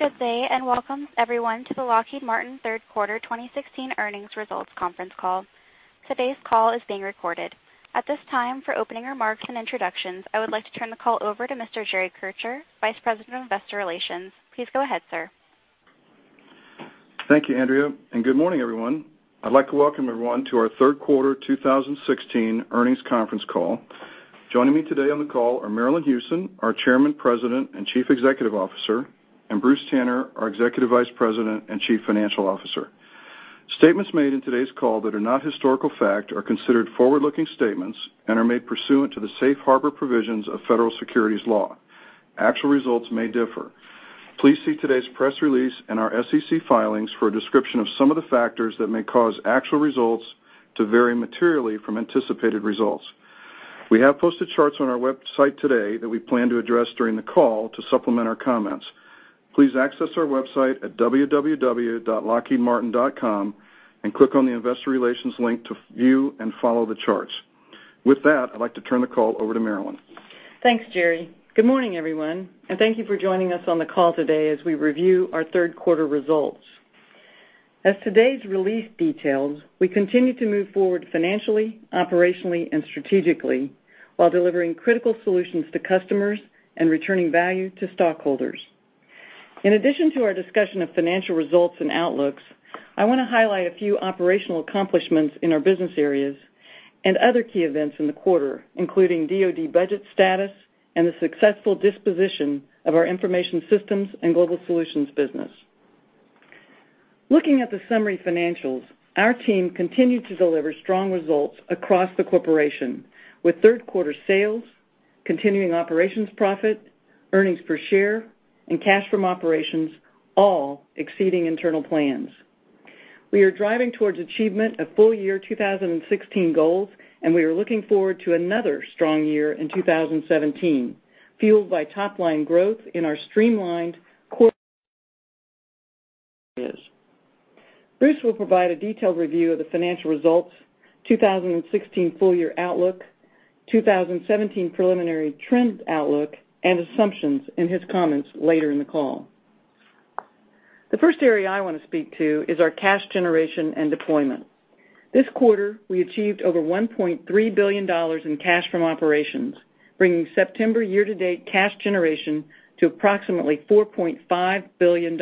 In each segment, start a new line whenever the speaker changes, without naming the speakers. Good day. Welcome everyone to the Lockheed Martin third quarter 2016 earnings results conference call. Today's call is being recorded. At this time, for opening remarks and introductions, I would like to turn the call over to Mr. Jerry Kircher, Vice President of Investor Relations. Please go ahead, sir.
Thank you, Andrea. Good morning, everyone. I'd like to welcome everyone to our third quarter 2016 earnings conference call. Joining me today on the call are Marillyn Hewson, our Chairman, President, and Chief Executive Officer, and Bruce Tanner, our Executive Vice President and Chief Financial Officer. Statements made in today's call that are not historical fact are considered forward-looking statements and are made pursuant to the safe harbor provisions of federal securities law. Actual results may differ. Please see today's press release and our SEC filings for a description of some of the factors that may cause actual results to vary materially from anticipated results. We have posted charts on our website today that we plan to address during the call to supplement our comments. Please access our website at www.lockheedmartin.com and click on the Investor Relations link to view and follow the charts. With that, I'd like to turn the call over to Marillyn.
Thanks, Jerry. Good morning, everyone. Thank you for joining us on the call today as we review our third quarter results. As today's release details, we continue to move forward financially, operationally, and strategically while delivering critical solutions to customers and returning value to stockholders. In addition to our discussion of financial results and outlooks, I want to highlight a few operational accomplishments in our business areas and other key events in the quarter, including DoD budget status and the successful disposition of our Information Systems & Global Solutions business. Looking at the summary financials, our team continued to deliver strong results across the corporation, with third quarter sales, continuing operations profit, earnings per share, and cash from operations all exceeding internal plans. We are driving towards achievement of full year 2016 goals. We are looking forward to another strong year in 2017, fueled by top-line growth in our streamlined core business. Bruce will provide a detailed review of the financial results, 2016 full year outlook, 2017 preliminary trends outlook, and assumptions in his comments later in the call. The first area I want to speak to is our cash generation and deployment. This quarter, we achieved over $1.3 billion in cash from operations, bringing September year-to-date cash generation to approximately $4.5 billion.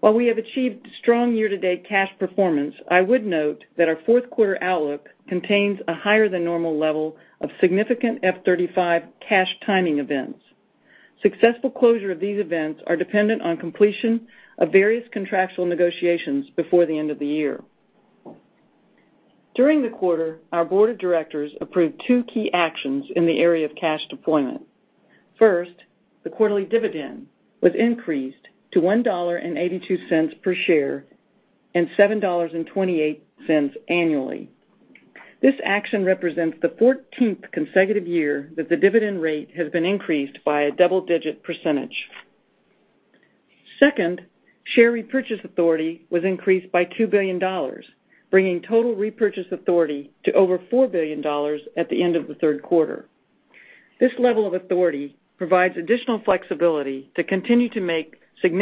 While we have achieved strong year-to-date cash performance, I would note that our fourth quarter outlook contains a higher than normal level of significant F-35 cash timing events. Successful closure of these events are dependent on completion of various contractual negotiations before the end of the year. During the quarter, our board of directors approved two key actions in the area of cash deployment. First, the quarterly dividend was increased to $1.82 per share and $7.28 annually. This action represents the 14th consecutive year that the dividend rate has been increased by a double-digit percentage. Second, share repurchase authority was increased by $2 billion, bringing total repurchase authority to over $4 billion at the end of the third quarter. In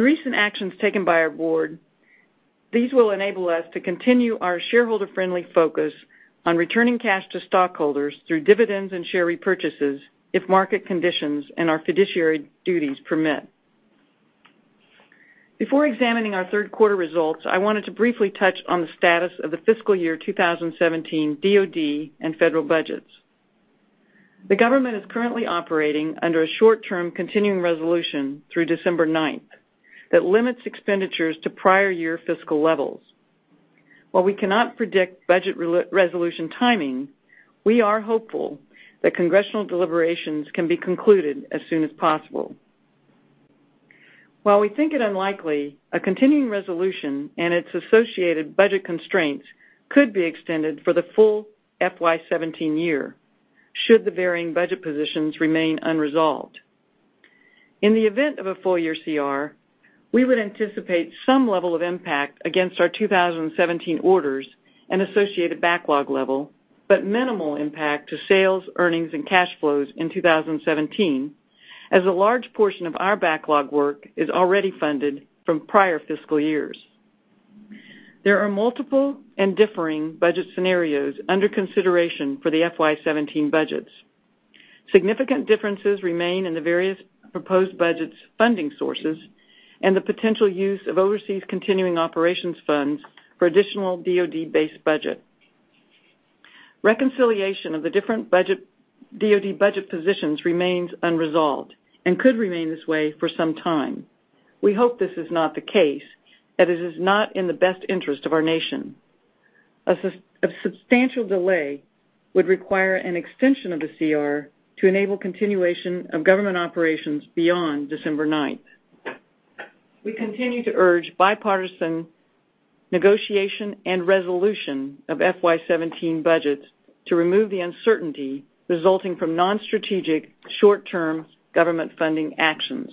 recent actions taken by our board, these will enable us to continue our shareholder-friendly focus on returning cash to stockholders through dividends and share repurchases if market conditions and our fiduciary duties permit. Before examining our third quarter results, I wanted to briefly touch on the status of the fiscal year 2017 DoD and federal budgets. The government is currently operating under a short-term continuing resolution through December 9th that limits expenditures to prior year fiscal levels. While we cannot predict budget resolution timing, we are hopeful that congressional deliberations can be concluded as soon as possible. While we think it unlikely, a continuing resolution and its associated budget constraints could be extended for the full FY 2017 year should the varying budget positions remain unresolved. In the event of a full year CR, we would anticipate some level of impact against our 2017 orders and associated backlog level, but minimal impact to sales, earnings, and cash flows in 2017, as a large portion of our backlog work is already funded from prior fiscal years. There are multiple and differing budget scenarios under consideration for the FY 2017 budgets. Significant differences remain in the various proposed budgets' funding sources and the potential use of overseas continuing operations funds for additional DoD-based budget. Reconciliation of the different DoD budget positions remains unresolved and could remain this way for some time. We hope this is not the case, as it is not in the best interest of our nation. A substantial delay would require an extension of the CR to enable continuation of government operations beyond December 9th. We continue to urge bipartisan negotiation and resolution of FY 2017 budgets to remove the uncertainty resulting from non-strategic, short-term government funding actions.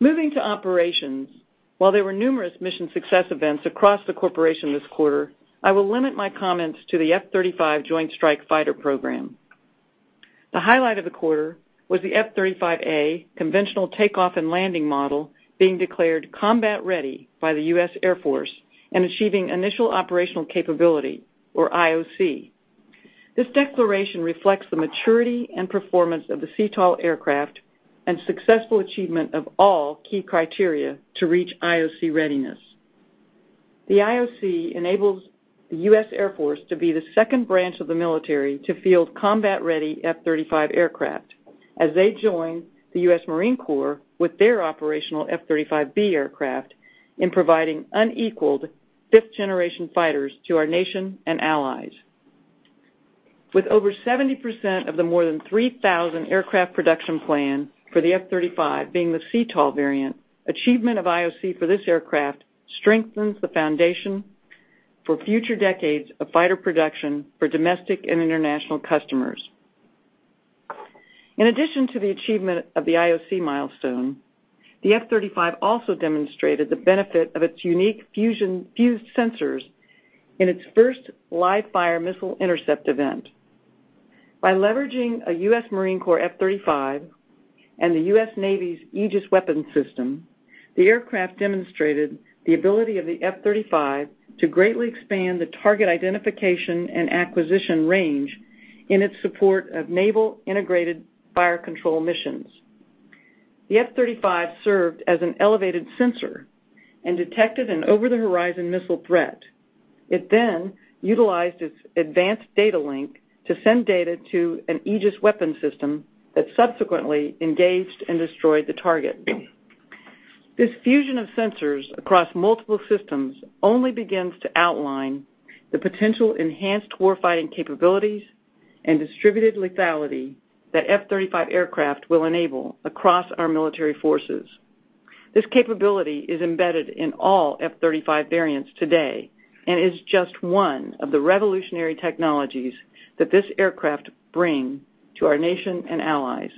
Moving to operations. While there were numerous mission success events across the corporation this quarter, I will limit my comments to the F-35 Joint Strike Fighter program. The highlight of the quarter was the F-35A conventional takeoff and landing model being declared combat ready by the U.S. Air Force and achieving initial operational capability or IOC. This declaration reflects the maturity and performance of the CTOL aircraft and successful achievement of all key criteria to reach IOC readiness. The IOC enables the U.S. Air Force to be the second branch of the military to field combat-ready F-35 aircraft as they join the U.S. Marine Corps with their operational F-35B aircraft in providing unequaled fifth-generation fighters to our nation and allies. With over 70% of the more than 3,000 aircraft production plan for the F-35 being the CTOL variant, achievement of IOC for this aircraft strengthens the foundation for future decades of fighter production for domestic and international customers. In addition to the achievement of the IOC milestone, the F-35 also demonstrated the benefit of its unique fused sensors in its first live-fire missile intercept event. By leveraging a U.S. Marine Corps F-35 and the U.S. Navy's Aegis Weapon System, the aircraft demonstrated the ability of the F-35 to greatly expand the target identification and acquisition range in its support of naval integrated fire control missions. The F-35 served as an elevated sensor and detected an over-the-horizon missile threat. It then utilized its advanced data link to send data to an Aegis Weapon System that subsequently engaged and destroyed the target. This fusion of sensors across multiple systems only begins to outline the potential enhanced warfighting capabilities and distributed lethality that F-35 aircraft will enable across our military forces. This capability is embedded in all F-35 variants today and is just one of the revolutionary technologies that this aircraft bring to our nation and allies.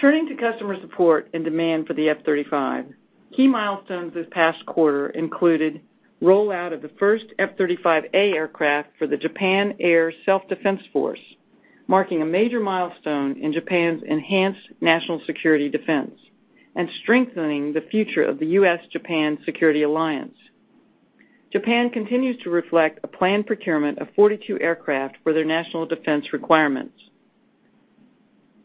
Turning to customer support and demand for the F-35, key milestones this past quarter included rollout of the first F-35A aircraft for the Japan Air Self-Defense Force, marking a major milestone in Japan's enhanced national security defense and strengthening the future of the U.S.-Japan Security Alliance. Japan continues to reflect a planned procurement of 42 aircraft for their national defense requirements.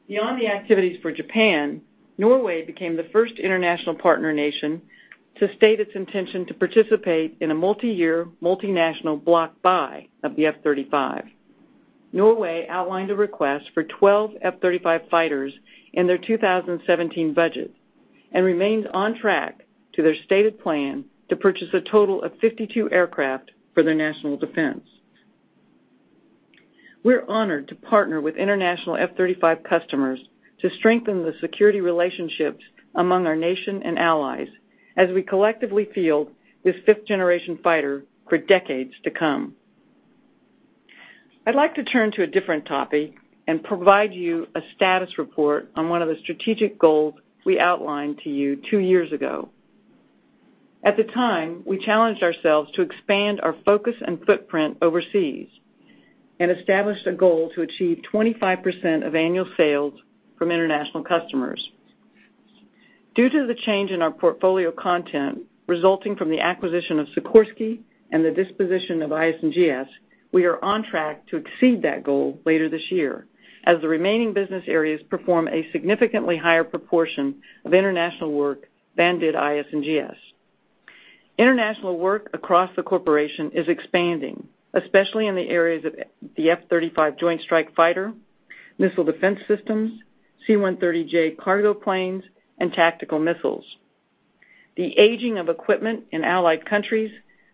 Beyond the activities for Japan, Norway became the first international partner nation to state its intention to participate in a multiyear, multinational block buy of the F-35. Norway outlined a request for 12 F-35 fighters in their 2017 budget and remains on track to their stated plan to purchase a total of 52 aircraft for their national defense. We're honored to partner with international F-35 customers to strengthen the security relationships among our nation and allies as we collectively field this fifth-generation fighter for decades to come. I'd like to turn to a different topic and provide you a status report on one of the strategic goals we outlined to you two years ago. At the time, we challenged ourselves to expand our focus and footprint overseas and established a goal to achieve 25% of annual sales from international customers. Due to the change in our portfolio content resulting from the acquisition of Sikorsky and the disposition of IS&GS, we are on track to exceed that goal later this year as the remaining business areas perform a significantly higher proportion of international work than did IS&GS. International work across the corporation is expanding, especially in the areas of the F-35 Joint Strike Fighter, Missile Defense Systems, C-130J cargo planes, and tactical missiles. The aging of equipment in allied countries,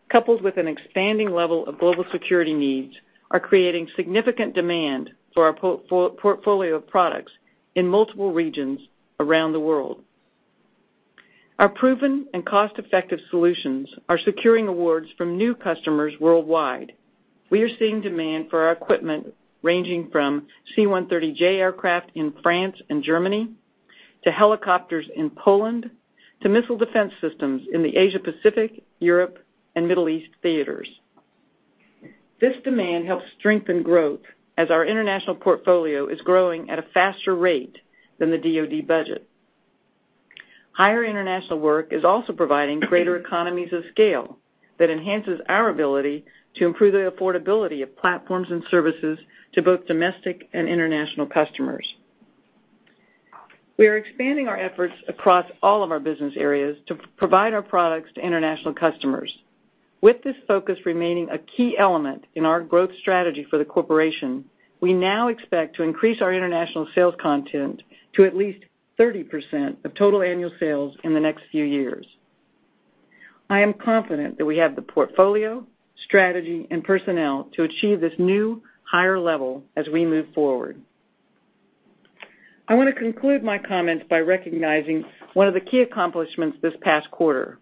coupled with an expanding level of global security needs, are creating significant demand for our portfolio of products in multiple regions around the world. Our proven and cost-effective solutions are securing awards from new customers worldwide. We are seeing demand for our equipment ranging from C-130J aircraft in France and Germany to helicopters in Poland to missile defense systems in the Asia-Pacific, Europe, and Middle East theaters. This demand helps strengthen growth as our international portfolio is growing at a faster rate than the DoD budget. Higher international work is also providing greater economies of scale that enhances our ability to improve the affordability of platforms and services to both domestic and international customers. We are expanding our efforts across all of our business areas to provide our products to international customers. With this focus remaining a key element in our growth strategy for the corporation, we now expect to increase our international sales content to at least 30% of total annual sales in the next few years. I am confident that we have the portfolio, strategy, and personnel to achieve this new, higher level as we move forward. I want to conclude my comments by recognizing one of the key accomplishments this past quarter.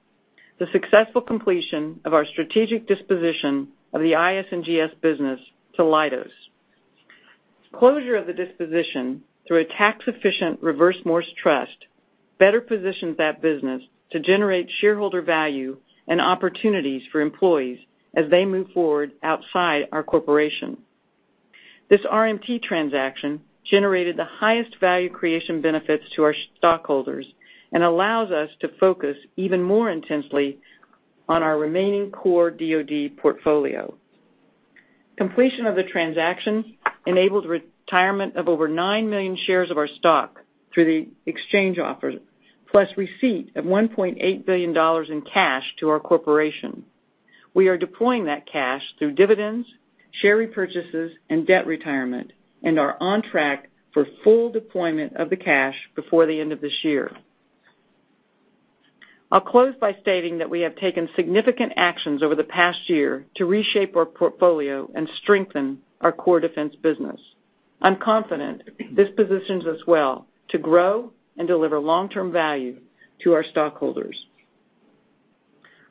The successful completion of our strategic disposition of the IS&GS business to Leidos. Closure of the disposition through a tax-efficient reverse Morris Trust better positions that business to generate shareholder value and opportunities for employees as they move forward outside our corporation. This RMT transaction generated the highest value creation benefits to our stockholders and allows us to focus even more intensely on our remaining core DoD portfolio. Completion of the transaction enabled retirement of over 9 million shares of our stock through the exchange offer, plus receipt of $1.8 billion in cash to our corporation. We are deploying that cash through dividends, share repurchases, and debt retirement, and are on track for full deployment of the cash before the end of this year. I'll close by stating that we have taken significant actions over the past year to reshape our portfolio and strengthen our core defense business. I'm confident this positions us well to grow and deliver long-term value to our stockholders.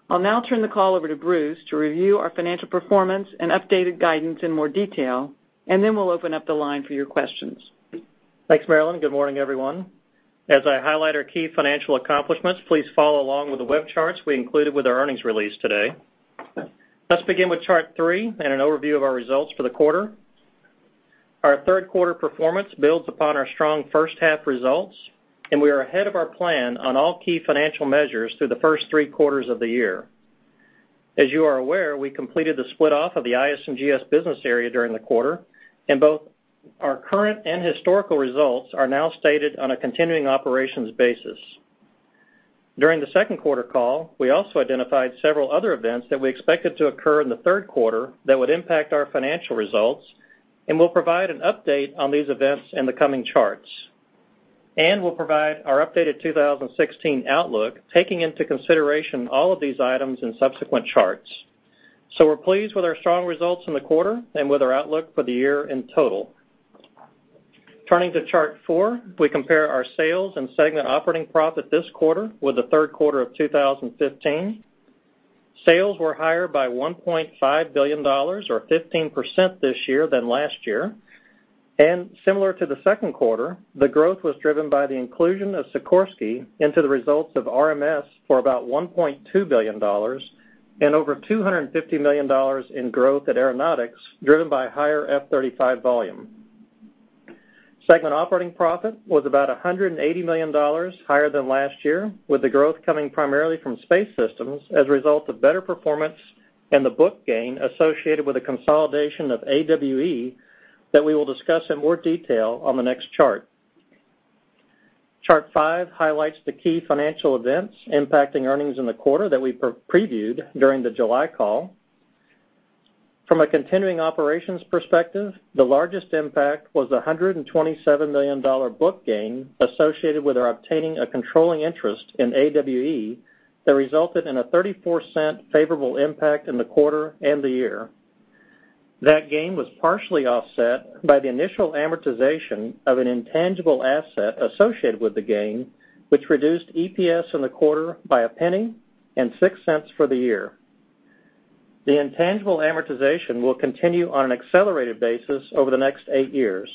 I'll now turn the call over to Bruce to review our financial performance and updated guidance in more detail, and then we'll open up the line for your questions.
Thanks, Marillyn. Good morning, everyone. As I highlight our key financial accomplishments, please follow along with the web charts we included with our earnings release today. Let's begin with Chart 3 and an overview of our results for the quarter. Our third quarter performance builds upon our strong first half results, and we are ahead of our plan on all key financial measures through the first three quarters of the year. As you are aware, we completed the split off of the IS&GS business area during the quarter, and both our current and historical results are now stated on a continuing operations basis. During the second quarter call, we also identified several other events that we expected to occur in the third quarter that would impact our financial results, and we'll provide an update on these events in the coming charts. We'll provide our updated 2016 outlook, taking into consideration all of these items in subsequent charts. We're pleased with our strong results in the quarter and with our outlook for the year in total. Turning to Chart 4, we compare our sales and segment operating profit this quarter with the third quarter of 2015. Sales were higher by $1.5 billion or 15% this year than last year. Similar to the second quarter, the growth was driven by the inclusion of Sikorsky into the results of RMS for about $1.2 billion and over $250 million in growth at Aeronautics, driven by higher F-35 volume. Segment operating profit was about $180 million higher than last year, with the growth coming primarily from Space Systems as a result of better performance and the book gain associated with the consolidation of AWE that we will discuss in more detail on the next chart. Chart 5 highlights the key financial events impacting earnings in the quarter that we previewed during the July call. From a continuing operations perspective, the largest impact was the $127 million book gain associated with our obtaining a controlling interest in AWE that resulted in a $0.34 favorable impact in the quarter and the year. That gain was partially offset by the initial amortization of an intangible asset associated with the gain, which reduced EPS in the quarter by $0.01 and $0.06 for the year. The intangible amortization will continue on an accelerated basis over the next eight years.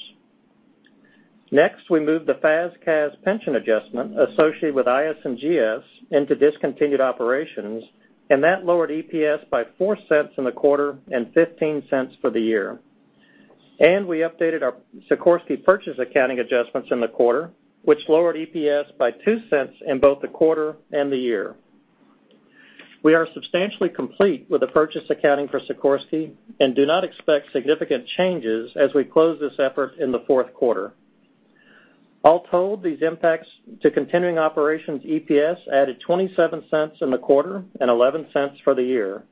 Next, we move the FAS/CAS pension adjustment associated with IS&GS into discontinued operations, and that lowered EPS by $0.04 in the quarter and $0.15 for the year. We updated our Sikorsky purchase accounting adjustments in the quarter, which lowered EPS by $0.02 in both the quarter and the year. We are substantially complete with the purchase accounting for Sikorsky and do not expect significant changes as we close this effort in the fourth quarter. All told, these impacts to continuing operations EPS added $0.27 in the quarter and $0.11 for the year.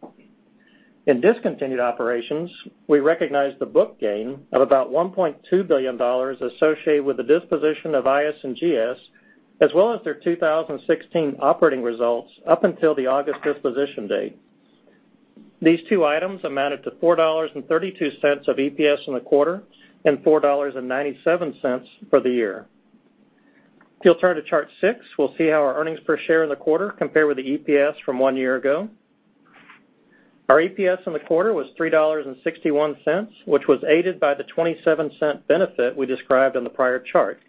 In discontinued operations, we recognized the book gain of about $1.2 billion associated with the disposition of IS&GS, as well as their 2016 operating results up until the August disposition date. These two items amounted to $4.32 of EPS in the quarter and $4.97 for the year. If you'll turn to Chart 6, we'll see how our earnings per share in the quarter compare with the EPS from one year ago. Our EPS in the quarter was $3.61, which was aided by the $0.27 benefit we described on the prior chart.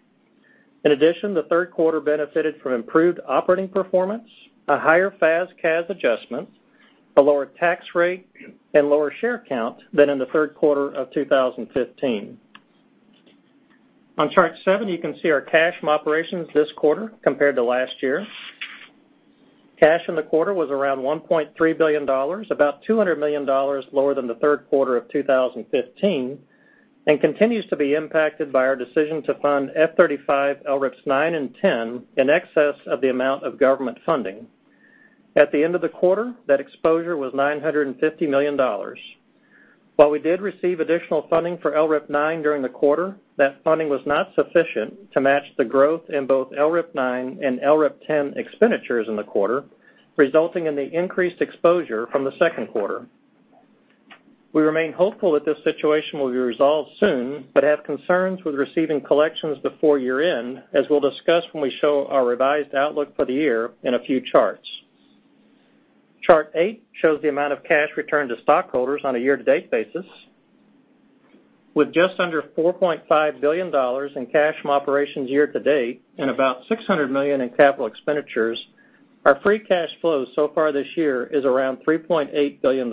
In addition, the third quarter benefited from improved operating performance, a higher FAS/CAS adjustment, a lower tax rate, and lower share count than in the third quarter of 2015. On Chart 7, you can see our cash from operations this quarter compared to last year. Cash in the quarter was around $1.3 billion, about $200 million lower than the third quarter of 2015, and continues to be impacted by our decision to fund F-35 LRIPs 9 and 10 in excess of the amount of government funding. At the end of the quarter, that exposure was $950 million. While we did receive additional funding for LRIP 9 during the quarter, that funding was not sufficient to match the growth in both LRIP 9 and LRIP 10 expenditures in the quarter, resulting in the increased exposure from the second quarter. We remain hopeful that this situation will be resolved soon, but have concerns with receiving collections before year-end, as we'll discuss when we show our revised outlook for the year in a few charts. Chart eight shows the amount of cash returned to stockholders on a year-to-date basis. With just under $4.5 billion in cash from operations year to date and about $600 million in capital expenditures, our free cash flow so far this year is around $3.8 billion.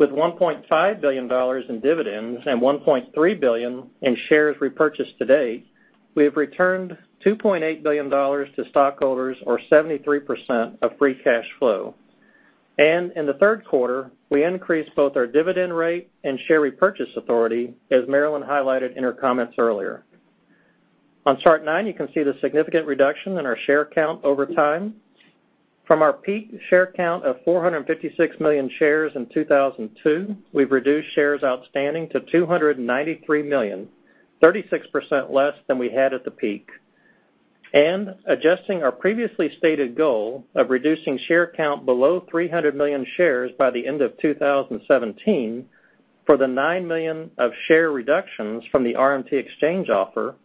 With $1.5 billion in dividends and $1.3 billion in shares repurchased to date, we have returned $2.8 billion to stockholders or 73% of free cash flow. In the third quarter, we increased both our dividend rate and share repurchase authority, as Marillyn highlighted in her comments earlier. On Chart nine, you can see the significant reduction in our share count over time. From our peak share count of 456 million shares in 2002, we've reduced shares outstanding to 293 million, 36% less than we had at the peak. Adjusting our previously stated goal of reducing share count below 300 million shares by the end of 2017, for the nine million of share reductions from the RMT exchange offer,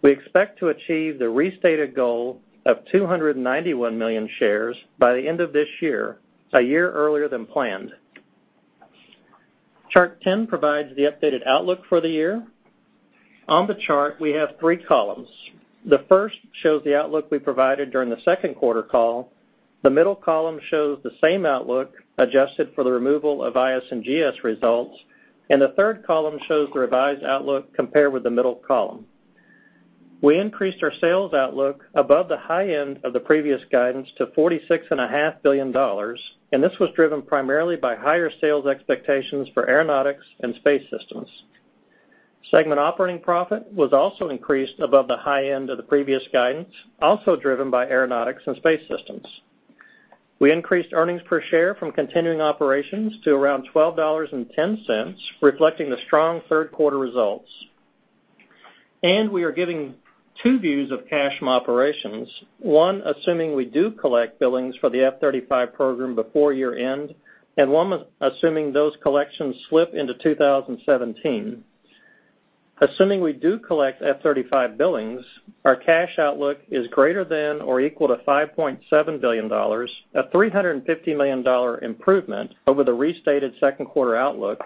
we expect to achieve the restated goal of 291 million shares by the end of this year, a year earlier than planned. Chart 10 provides the updated outlook for the year. On the chart, we have three columns. The first shows the outlook we provided during the second quarter call. The middle column shows the same outlook adjusted for the removal of IS&GS results, the third column shows the revised outlook compared with the middle column. We increased our sales outlook above the high end of the previous guidance to $46.5 billion, and this was driven primarily by higher sales expectations for Aeronautics and Space Systems. Segment operating profit was also increased above the high end of the previous guidance, also driven by Aeronautics and Space Systems. We increased earnings per share from continuing operations to around $12.10, reflecting the strong third-quarter results. We are giving two views of cash from operations, one assuming we do collect billings for the F-35 program before year-end, and one assuming those collections slip into 2017. Assuming we do collect F-35 billings, our cash outlook is greater than or equal to $5.7 billion, a $350 million improvement over the restated second-quarter outlook,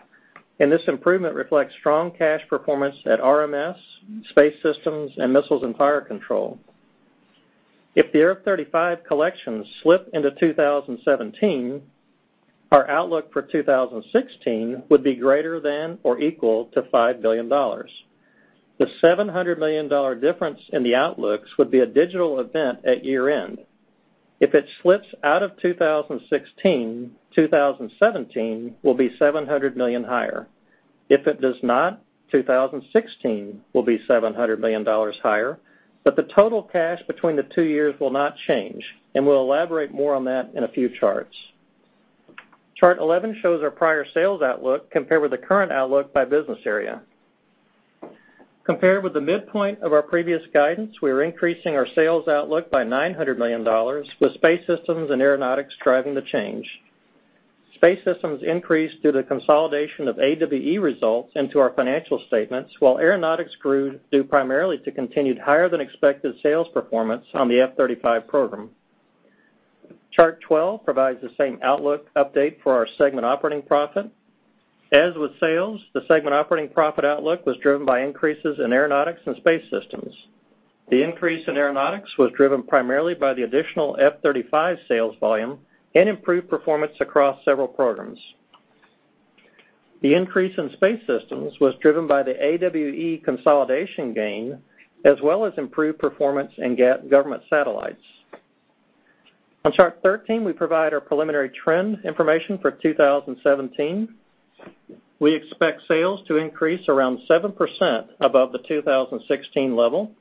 this improvement reflects strong cash performance at RMS, Space Systems, and Missiles and Fire Control. If the F-35 collections slip into 2017, our outlook for 2016 would be greater than or equal to $5 billion. The $700 million difference in the outlooks would be a digital event at year-end. If it slips out of 2016, 2017 will be $700 million higher. If it does not, 2016 will be $700 million higher, but the total cash between the two years will not change, we'll elaborate more on that in a few charts. Chart 11 shows our prior sales outlook compared with the current outlook by business area. Compared with the midpoint of our previous guidance, we are increasing our sales outlook by $900 million, with Space Systems and Aeronautics driving the change. Space Systems increased due to the consolidation of AWE results into our financial statements, while Aeronautics grew due primarily to continued higher-than-expected sales performance on the F-35 program. Chart 12 provides the same outlook update for our segment operating profit. As with sales, the segment operating profit outlook was driven by increases in Aeronautics and Space Systems. The increase in Aeronautics was driven primarily by the additional F-35 sales volume and improved performance across several programs. The increase in Space Systems was driven by the AWE consolidation gain, as well as improved performance in government satellites. On chart 13, we provide our preliminary trend information for 2017. We expect sales to increase around 7% above the 2016 level,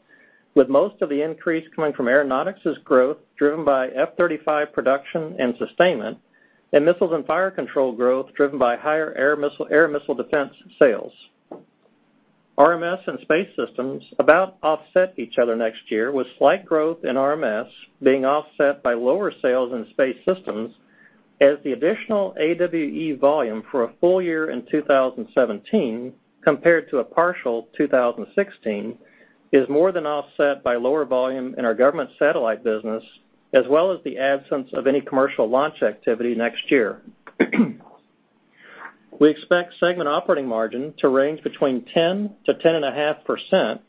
with most of the increase coming from Aeronautics' growth driven by F-35 production and sustainment, and Missiles and Fire Control growth driven by higher air missile defense sales. RMS and Space Systems about offset each other next year with slight growth in RMS being offset by lower sales in Space Systems as the additional AWE volume for a full year in 2017 compared to a partial 2016 is more than offset by lower volume in our government satellite business, as well as the absence of any commercial launch activity next year. We expect segment operating margin to range between 10%-10.5%,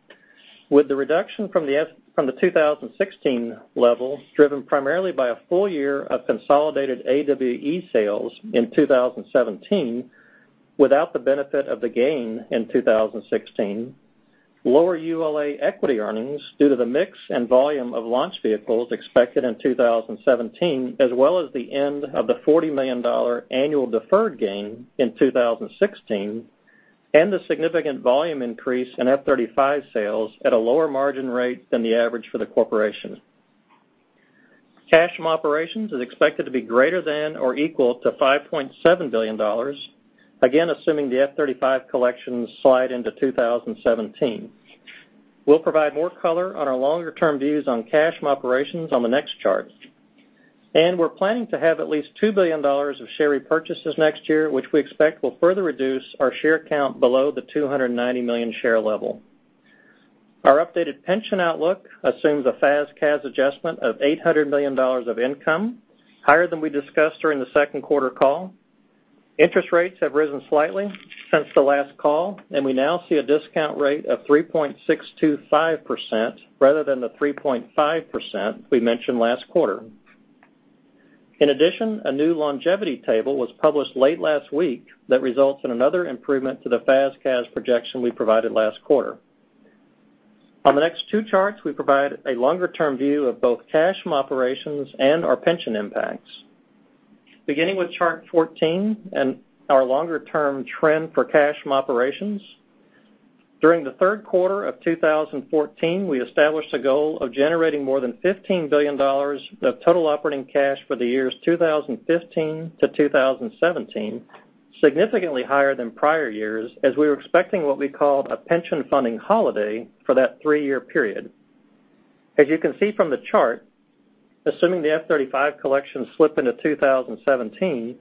with the reduction from the 2016 level driven primarily by a full year of consolidated AWE sales in 2017 without the benefit of the gain in 2016. Lower ULA equity earnings due to the mix and volume of launch vehicles expected in 2017, as well as the end of the $40 million annual deferred gain in 2016 and the significant volume increase in F-35 sales at a lower margin rate than the average for the corporation. Cash from operations is expected to be greater than or equal to $5.7 billion, again, assuming the F-35 collections slide into 2017. We'll provide more color on our longer-term views on cash from operations on the next chart. We're planning to have at least $2 billion of share repurchases next year, which we expect will further reduce our share count below the 290 million share level. Our updated pension outlook assumes a FAS/CAS adjustment of $800 million of income, higher than we discussed during the second quarter call. Interest rates have risen slightly since the last call. We now see a discount rate of 3.625% rather than the 3.5% we mentioned last quarter. In addition, a new longevity table was published late last week that results in another improvement to the FAS/CAS projection we provided last quarter. On the next two charts, we provide a longer-term view of both cash from operations and our pension impacts. Beginning with Chart 14 and our longer-term trend for cash from operations. During the third quarter of 2014, we established a goal of generating more than $15 billion of total operating cash for the years 2015 to 2017, significantly higher than prior years as we were expecting what we call a pension funding holiday for that three-year period. As you can see from the chart, assuming the F-35 collections slip into 2017,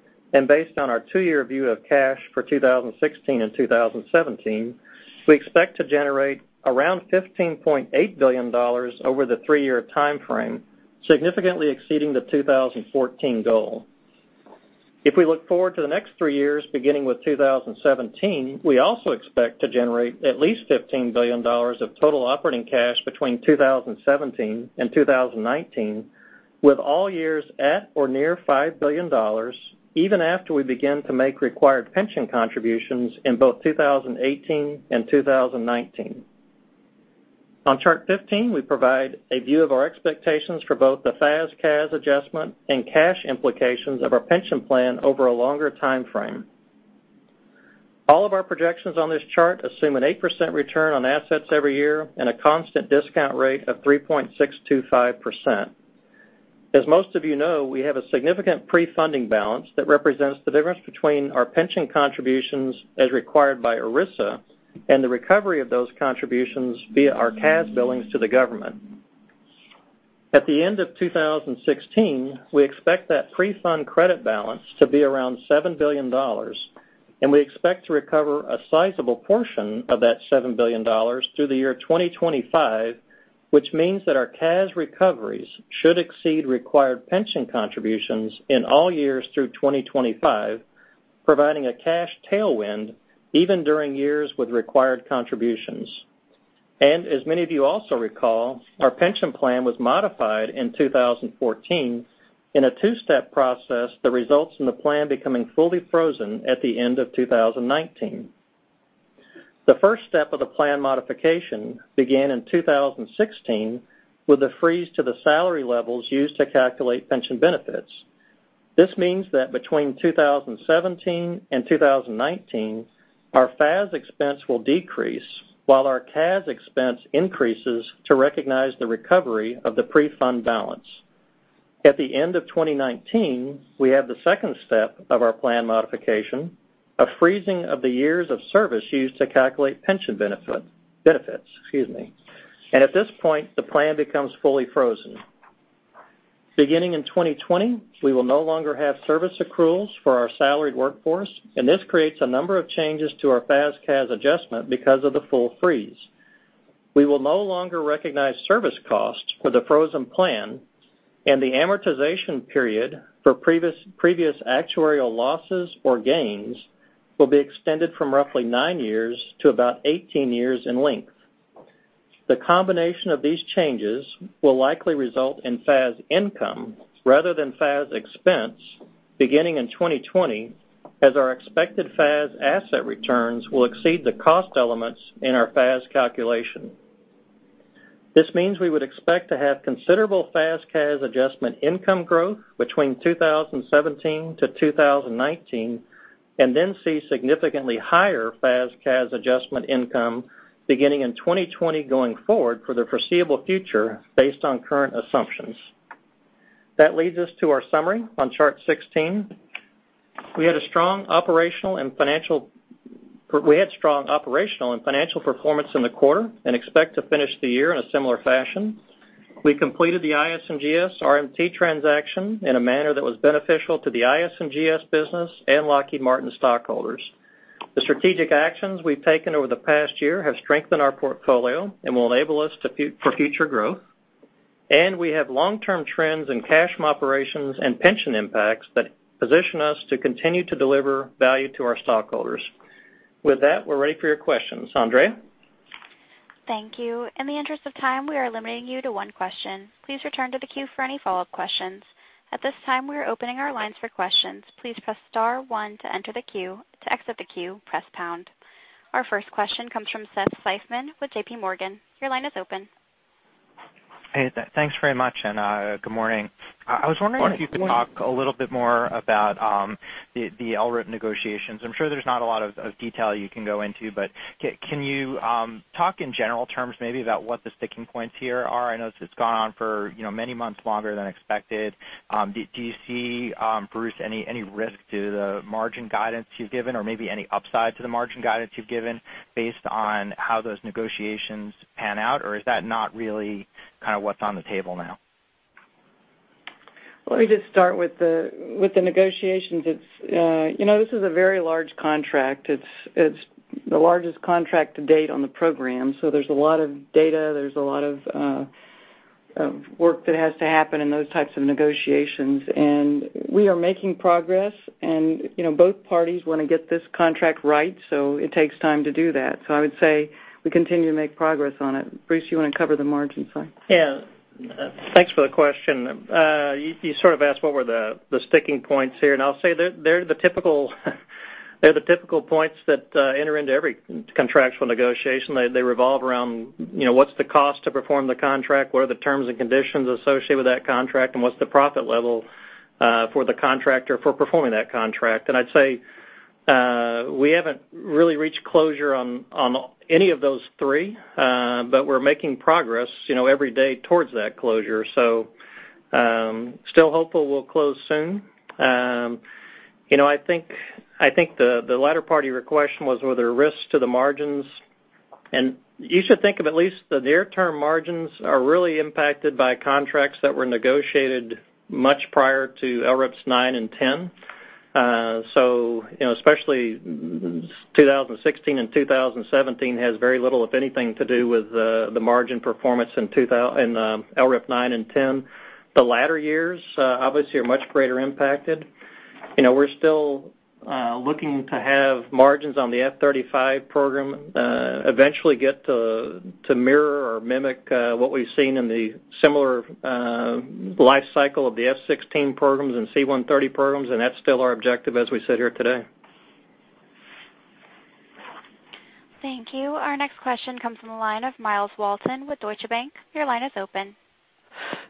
based on our two-year view of cash for 2016 and 2017, we expect to generate around $15.8 billion over the three-year timeframe, significantly exceeding the 2014 goal. If we look forward to the next three years, beginning with 2017, we also expect to generate at least $15 billion of total operating cash between 2017 and 2019, with all years at or near $5 billion, even after we begin to make required pension contributions in both 2018 and 2019. On Chart 15, we provide a view of our expectations for both the FAS/CAS adjustment and cash implications of our pension plan over a longer timeframe. All of our projections on this chart assume an 8% return on assets every year and a constant discount rate of 3.625%. As most of you know, we have a significant pre-funding balance that represents the difference between our pension contributions as required by ERISA and the recovery of those contributions via our CAS billings to the government. At the end of 2016, we expect that pre-fund credit balance to be around $7 billion. We expect to recover a sizable portion of that $7 billion through the year 2025, which means that our CAS recoveries should exceed required pension contributions in all years through 2025, providing a cash tailwind even during years with required contributions. As many of you also recall, our pension plan was modified in 2014 in a two-step process that results in the plan becoming fully frozen at the end of 2019. The first step of the plan modification began in 2016 with a freeze to the salary levels used to calculate pension benefits. This means that between 2017 and 2019, our FAS expense will decrease while our CAS expense increases to recognize the recovery of the pre-fund balance. At the end of 2019, we have the second step of our plan modification, a freezing of the years of service used to calculate pension benefits. At this point, the plan becomes fully frozen. Beginning in 2020, we will no longer have service accruals for our salaried workforce. This creates a number of changes to our FAS/CAS adjustment because of the full freeze. We will no longer recognize service costs for the frozen plan. The amortization period for previous actuarial losses or gains will be extended from roughly nine years to about 18 years in length. The combination of these changes will likely result in FAS income rather than FAS expense beginning in 2020, as our expected FAS asset returns will exceed the cost elements in our FAS calculation. This means we would expect to have considerable FAS/CAS adjustment income growth between 2017 to 2019, then see significantly higher FAS/CAS adjustment income beginning in 2020 going forward for the foreseeable future based on current assumptions. That leads us to our summary on Chart 16. We had strong operational and financial performance in the quarter and expect to finish the year in a similar fashion. We completed the IS&GS RMT transaction in a manner that was beneficial to the IS&GS business and Lockheed Martin stockholders. The strategic actions we've taken over the past year have strengthened our portfolio and will enable us for future growth. We have long-term trends in cash from operations and pension impacts that position us to continue to deliver value to our stockholders. With that, we're ready for your questions. Andrea?
Thank you. In the interest of time, we are limiting you to one question. Please return to the queue for any follow-up questions. At this time, we are opening our lines for questions. Please press star 1 to enter the queue. To exit the queue, press pound. Our first question comes from Seth Seifman with JPMorgan. Your line is open.
Good morning. Hey, thanks very much, and good morning. I was wondering if you could talk a little bit more about the LRIP negotiations. I'm sure there's not a lot of detail you can go into, but can you talk in general terms maybe about what the sticking points here are? I know this has gone on for many months longer than expected. Do you see, Bruce, any risk to the margin guidance you've given or maybe any upside to the margin guidance you've given based on how those negotiations pan out? Is that not really what's on the table now?
Let me just start with the negotiations. This is a very large contract. It's the largest contract to date on the program, so there's a lot of data, there's a lot of work that has to happen in those types of negotiations. We are making progress and both parties want to get this contract right, so it takes time to do that. I would say we continue to make progress on it. Bruce, you want to cover the margin side?
Yeah. Thanks for the question. You sort of asked what were the sticking points here, and I'll say they're the typical points that enter into every contractual negotiation. They revolve around what's the cost to perform the contract, what are the terms and conditions associated with that contract, and what's the profit level for the contractor for performing that contract. I'd say we haven't really reached closure on any of those three, but we're making progress every day towards that closure. Still hopeful we'll close soon. I think the latter part of your question was, were there risks to the margins? You should think of at least the near-term margins are really impacted by contracts that were negotiated much prior to LRIPs 9 and 10. Especially 2016 and 2017 has very little, if anything, to do with the margin performance in LRIP 9 and 10. The latter years, obviously, are much greater impacted. We're still looking to have margins on the F-35 program eventually get to mirror or mimic what we've seen in the similar life cycle of the F-16 programs and C-130 programs, and that's still our objective as we sit here today.
Thank you. Our next question comes from the line of Myles Walton with Deutsche Bank. Your line is open.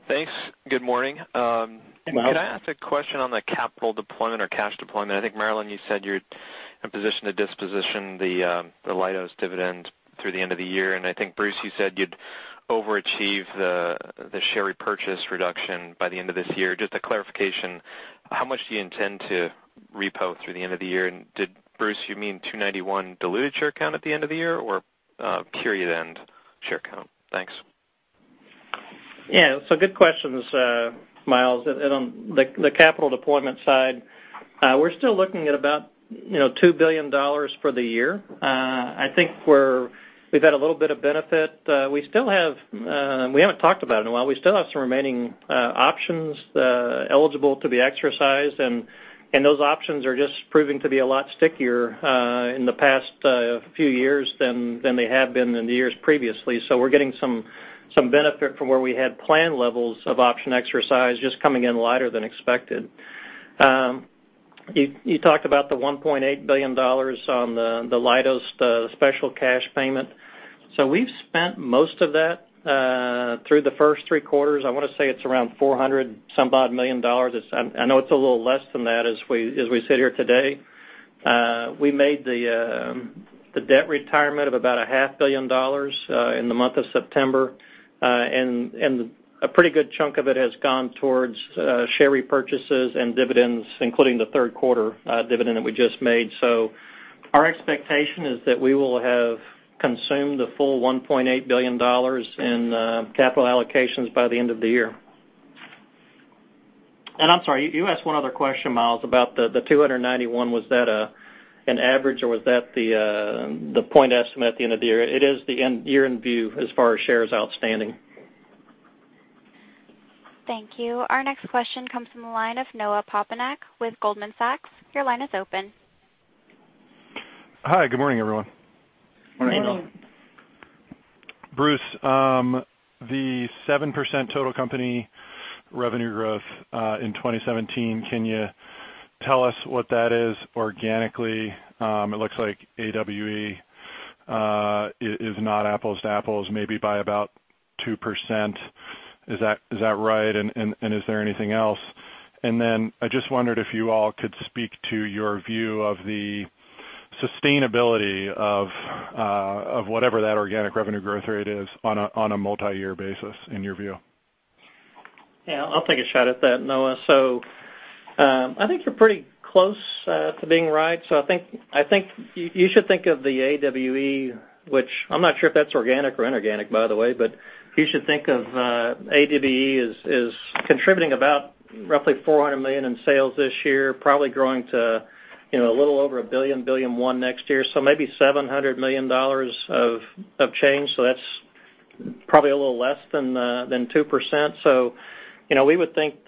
Thanks. Good morning.
Hey, Myles.
Can I ask a question on the capital deployment or cash deployment? I think, Marillyn, you said you're in position to disposition the Leidos dividend through the end of the year. I think, Bruce, you said you'd overachieve the share repurchase reduction by the end of this year. Just a clarification, how much do you intend to repo through the end of the year? Did, Bruce, you mean 291 diluted share count at the end of the year, or period-end share count? Thanks.
Good questions, Myles. On the capital deployment side, we're still looking at about $2 billion for the year. I think we've had a little bit of benefit. We haven't talked about it in a while. We still have some remaining options eligible to be exercised, and those options are just proving to be a lot stickier in the past few years than they have been in the years previously. We're getting some benefit from where we had planned levels of option exercise just coming in lighter than expected. You talked about the $1.8 billion on the Leidos special cash payment. We've spent most of that through the first three quarters. I want to say it's around $400 some odd million. I know it's a little less than that as we sit here today. We made the debt retirement of about a half billion dollars in the month of September. A pretty good chunk of it has gone towards share repurchases and dividends, including the third quarter dividend that we just made. Our expectation is that we will have consumed the full $1.8 billion in capital allocations by the end of the year. I'm sorry, you asked one other question, Myles, about the 291. Was that an average, or was that the point estimate at the end of the year? It is the year-end view as far as shares outstanding.
Thank you. Our next question comes from the line of Noah Poponak with Goldman Sachs. Your line is open.
Hi, good morning, everyone.
Morning.
Good morning.
Bruce, the 7% total company revenue growth, in 2017, can you tell us what that is organically? It looks like AWE is not apples to apples, maybe by about 2%. Is that right? Is there anything else? I just wondered if you all could speak to your view of the sustainability of whatever that organic revenue growth rate is on a multi-year basis in your view.
Yeah, I'll take a shot at that, Noah. I think you're pretty close to being right. I think you should think of the AWE, which I'm not sure if that's organic or inorganic, by the way, but you should think of AWE as contributing about roughly $400 million in sales this year, probably growing to a little over $1 billion, $1.1 billion next year. Maybe $700 million of change. That's probably a little less than 2%. We would think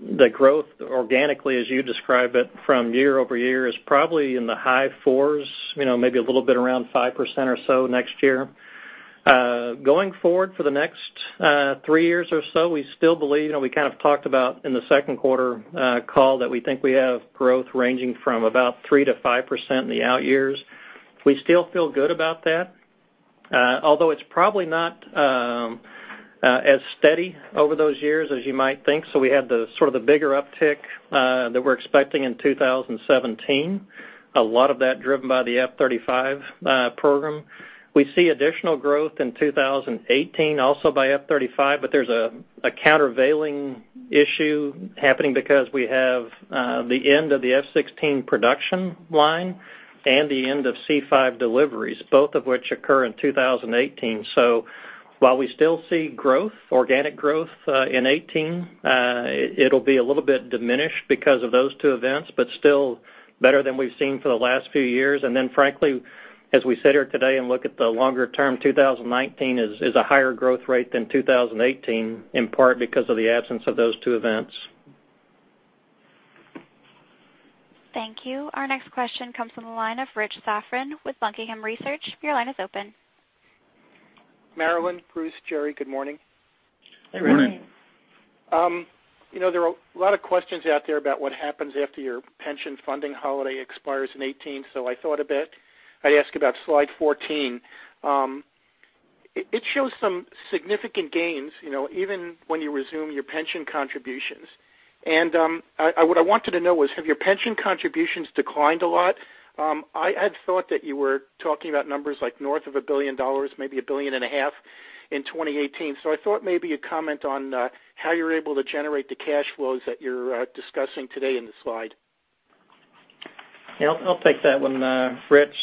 the growth organically, as you describe it from year-over-year, is probably in the high fours, maybe a little bit around 5% or so next year. Going forward for the next three years or so, we still believe, we kind of talked about in the second quarter call that we think we have growth ranging from about 3%-5% in the out years. We still feel good about that. Although it's probably not as steady over those years as you might think. We had the sort of the bigger uptick, that we're expecting in 2017. A lot of that driven by the F-35 program. We see additional growth in 2018 also by F-35, but there's a countervailing issue happening because we have the end of the F-16 production line and the end of C-5 deliveries, both of which occur in 2018. While we still see growth, organic growth, in 2018, it'll be a little bit diminished because of those two events, but still better than we've seen for the last few years. Frankly, as we sit here today and look at the longer term, 2019 is a higher growth rate than 2018, in part because of the absence of those two events.
Thank you. Our next question comes from the line of Rich Safran with Buckingham Research. Your line is open.
Marillyn, Bruce, Jerry, good morning.
Good morning.
Good morning.
There are a lot of questions out there about what happens after your pension funding holiday expires in 2018, so I thought a bit I'd ask about slide 14. It shows some significant gains, even when you resume your pension contributions. What I wanted to know was, have your pension contributions declined a lot? I had thought that you were talking about numbers like north of $1 billion, maybe a billion and a half in 2018. I thought maybe a comment on how you're able to generate the cash flows that you're discussing today in the slide.
I'll take that one, Rich.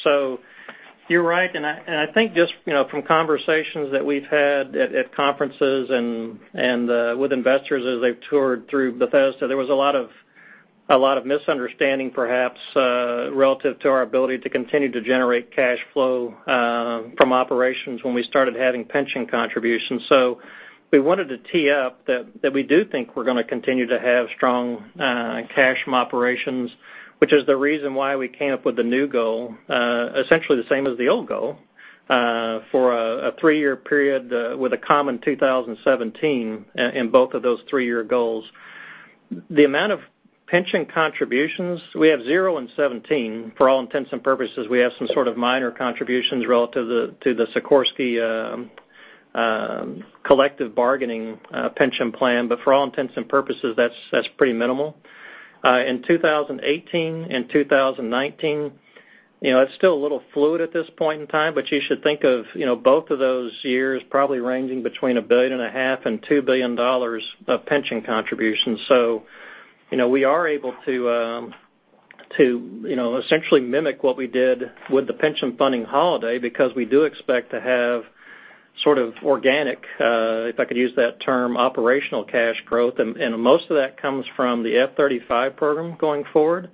You're right, I think just from conversations that we've had at conferences and with investors as they've toured through Bethesda, there was a lot of misunderstanding, perhaps, relative to our ability to continue to generate cash flow from operations when we started adding pension contributions. We wanted to tee up that we do think we're going to continue to have strong cash from operations, which is the reason why we came up with the new goal, essentially the same as the old goal, for a three-year period with a common 2017 in both of those three-year goals. The amount of pension contributions, we have zero in 2017 for all intents and purposes. We have some sort of minor contributions relative to the Sikorsky collective bargaining pension plan. For all intents and purposes, that's pretty minimal. In 2018 and 2019, it's still a little fluid at this point in time, you should think of both of those years probably ranging between $1.5 billion and $2 billion of pension contributions. We are able to essentially mimic what we did with the pension funding holiday because we do expect to have sort of organic, if I could use that term, operational cash growth. Most of that comes from the F-35 program going forward.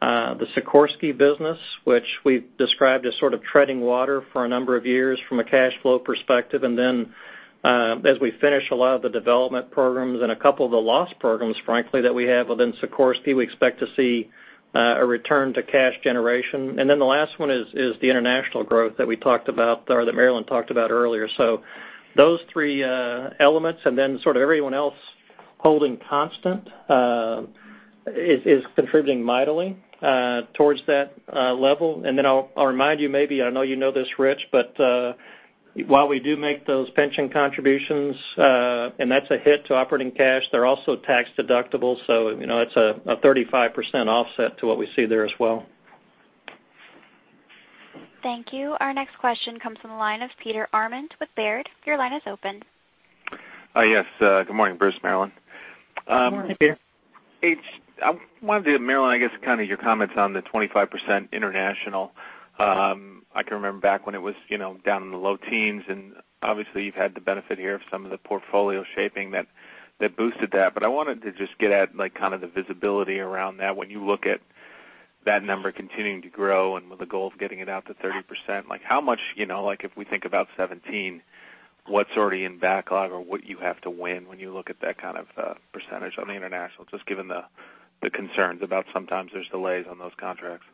The Sikorsky business, which we've described as sort of treading water for a number of years from a cash flow perspective, and then, as we finish a lot of the development programs and a couple of the loss programs, frankly, that we have within Sikorsky, we expect to see a return to cash generation. The last one is the international growth that we talked about, or that Marillyn talked about earlier. Those three elements, and then sort of everyone else holding constant, is contributing mightily towards that level. I'll remind you maybe, I know you know this, Rich, while we do make those pension contributions, and that's a hit to operating cash, they're also tax-deductible. It's a 35% offset to what we see there as well.
Thank you. Our next question comes from the line of Peter Arment with Baird. Your line is open.
Yes. Good morning, Bruce, Marillyn.
Good morning.
Hey, Peter.
I wanted to get, Marillyn, I guess kind of your comments on the 25% international. I can remember back when it was down in the low teens, and obviously you've had the benefit here of some of the portfolio shaping that boosted that. I wanted to just get at kind of the visibility around that. When you look at that number continuing to grow and with the goal of getting it out to 30%, like if we think about 2017, what's already in backlog or what you have to win when you look at that kind of percentage on the international, just given the concerns about sometimes there's delays on those contracts.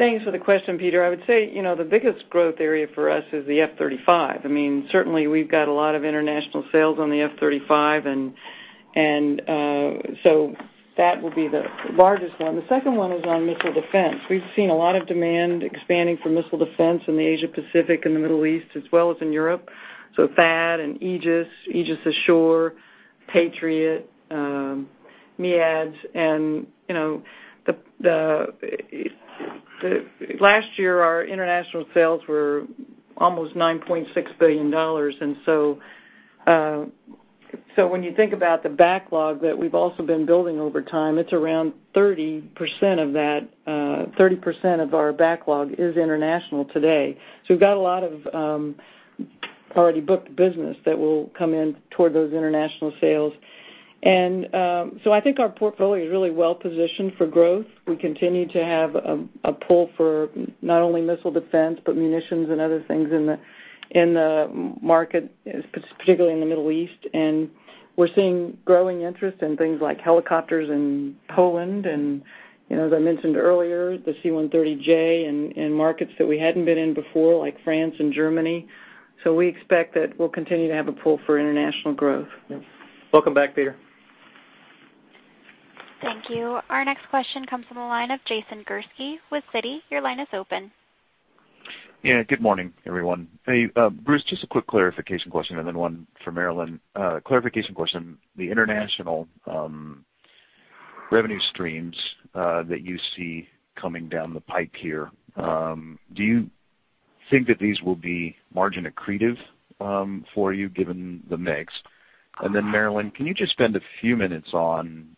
Thanks for the question, Peter. I would say the biggest growth area for us is the F-35. Certainly, we've got a lot of international sales on the F-35, that will be the largest one. The second one is on missile defense. We've seen a lot of demand expanding for missile defense in the Asia Pacific and the Middle East as well as in Europe. THAAD and Aegis Ashore, Patriot, MEADS. Last year, our international sales were almost $9.6 billion. When you think about the backlog that we've also been building over time, it's around 30% of our backlog is international today. We've got a lot of already booked business that will come in toward those international sales. I think our portfolio is really well positioned for growth. We continue to have a pull for not only missile defense, but munitions and other things in the market, particularly in the Middle East. We're seeing growing interest in things like helicopters in Poland and, as I mentioned earlier, the C-130J in markets that we hadn't been in before, like France and Germany. We expect that we'll continue to have a pull for international growth.
Welcome back, Peter.
Thank you. Our next question comes from the line of Jason Gursky with Citi. Your line is open.
Good morning, everyone. Hey, Bruce, just a quick clarification question and then one for Marillyn. Clarification question. The international revenue streams that you see coming down the pipe here, do you think that these will be margin accretive for you given the mix? Marillyn, can you just spend a few minutes on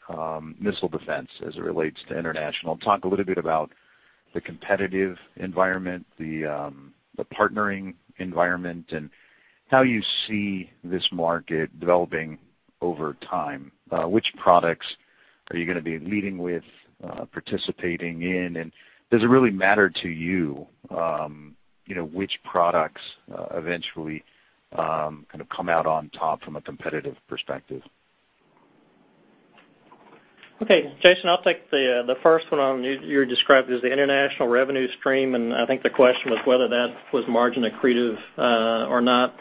missile defense as it relates to international? Talk a little bit about the competitive environment, the partnering environment, and how you see this market developing over time. Which products are you going to be leading with, participating in, and does it really matter to you which products eventually come out on top from a competitive perspective?
Okay, Jason, I'll take the first one on. You described it as the international revenue stream, I think the question was whether that was margin accretive or not.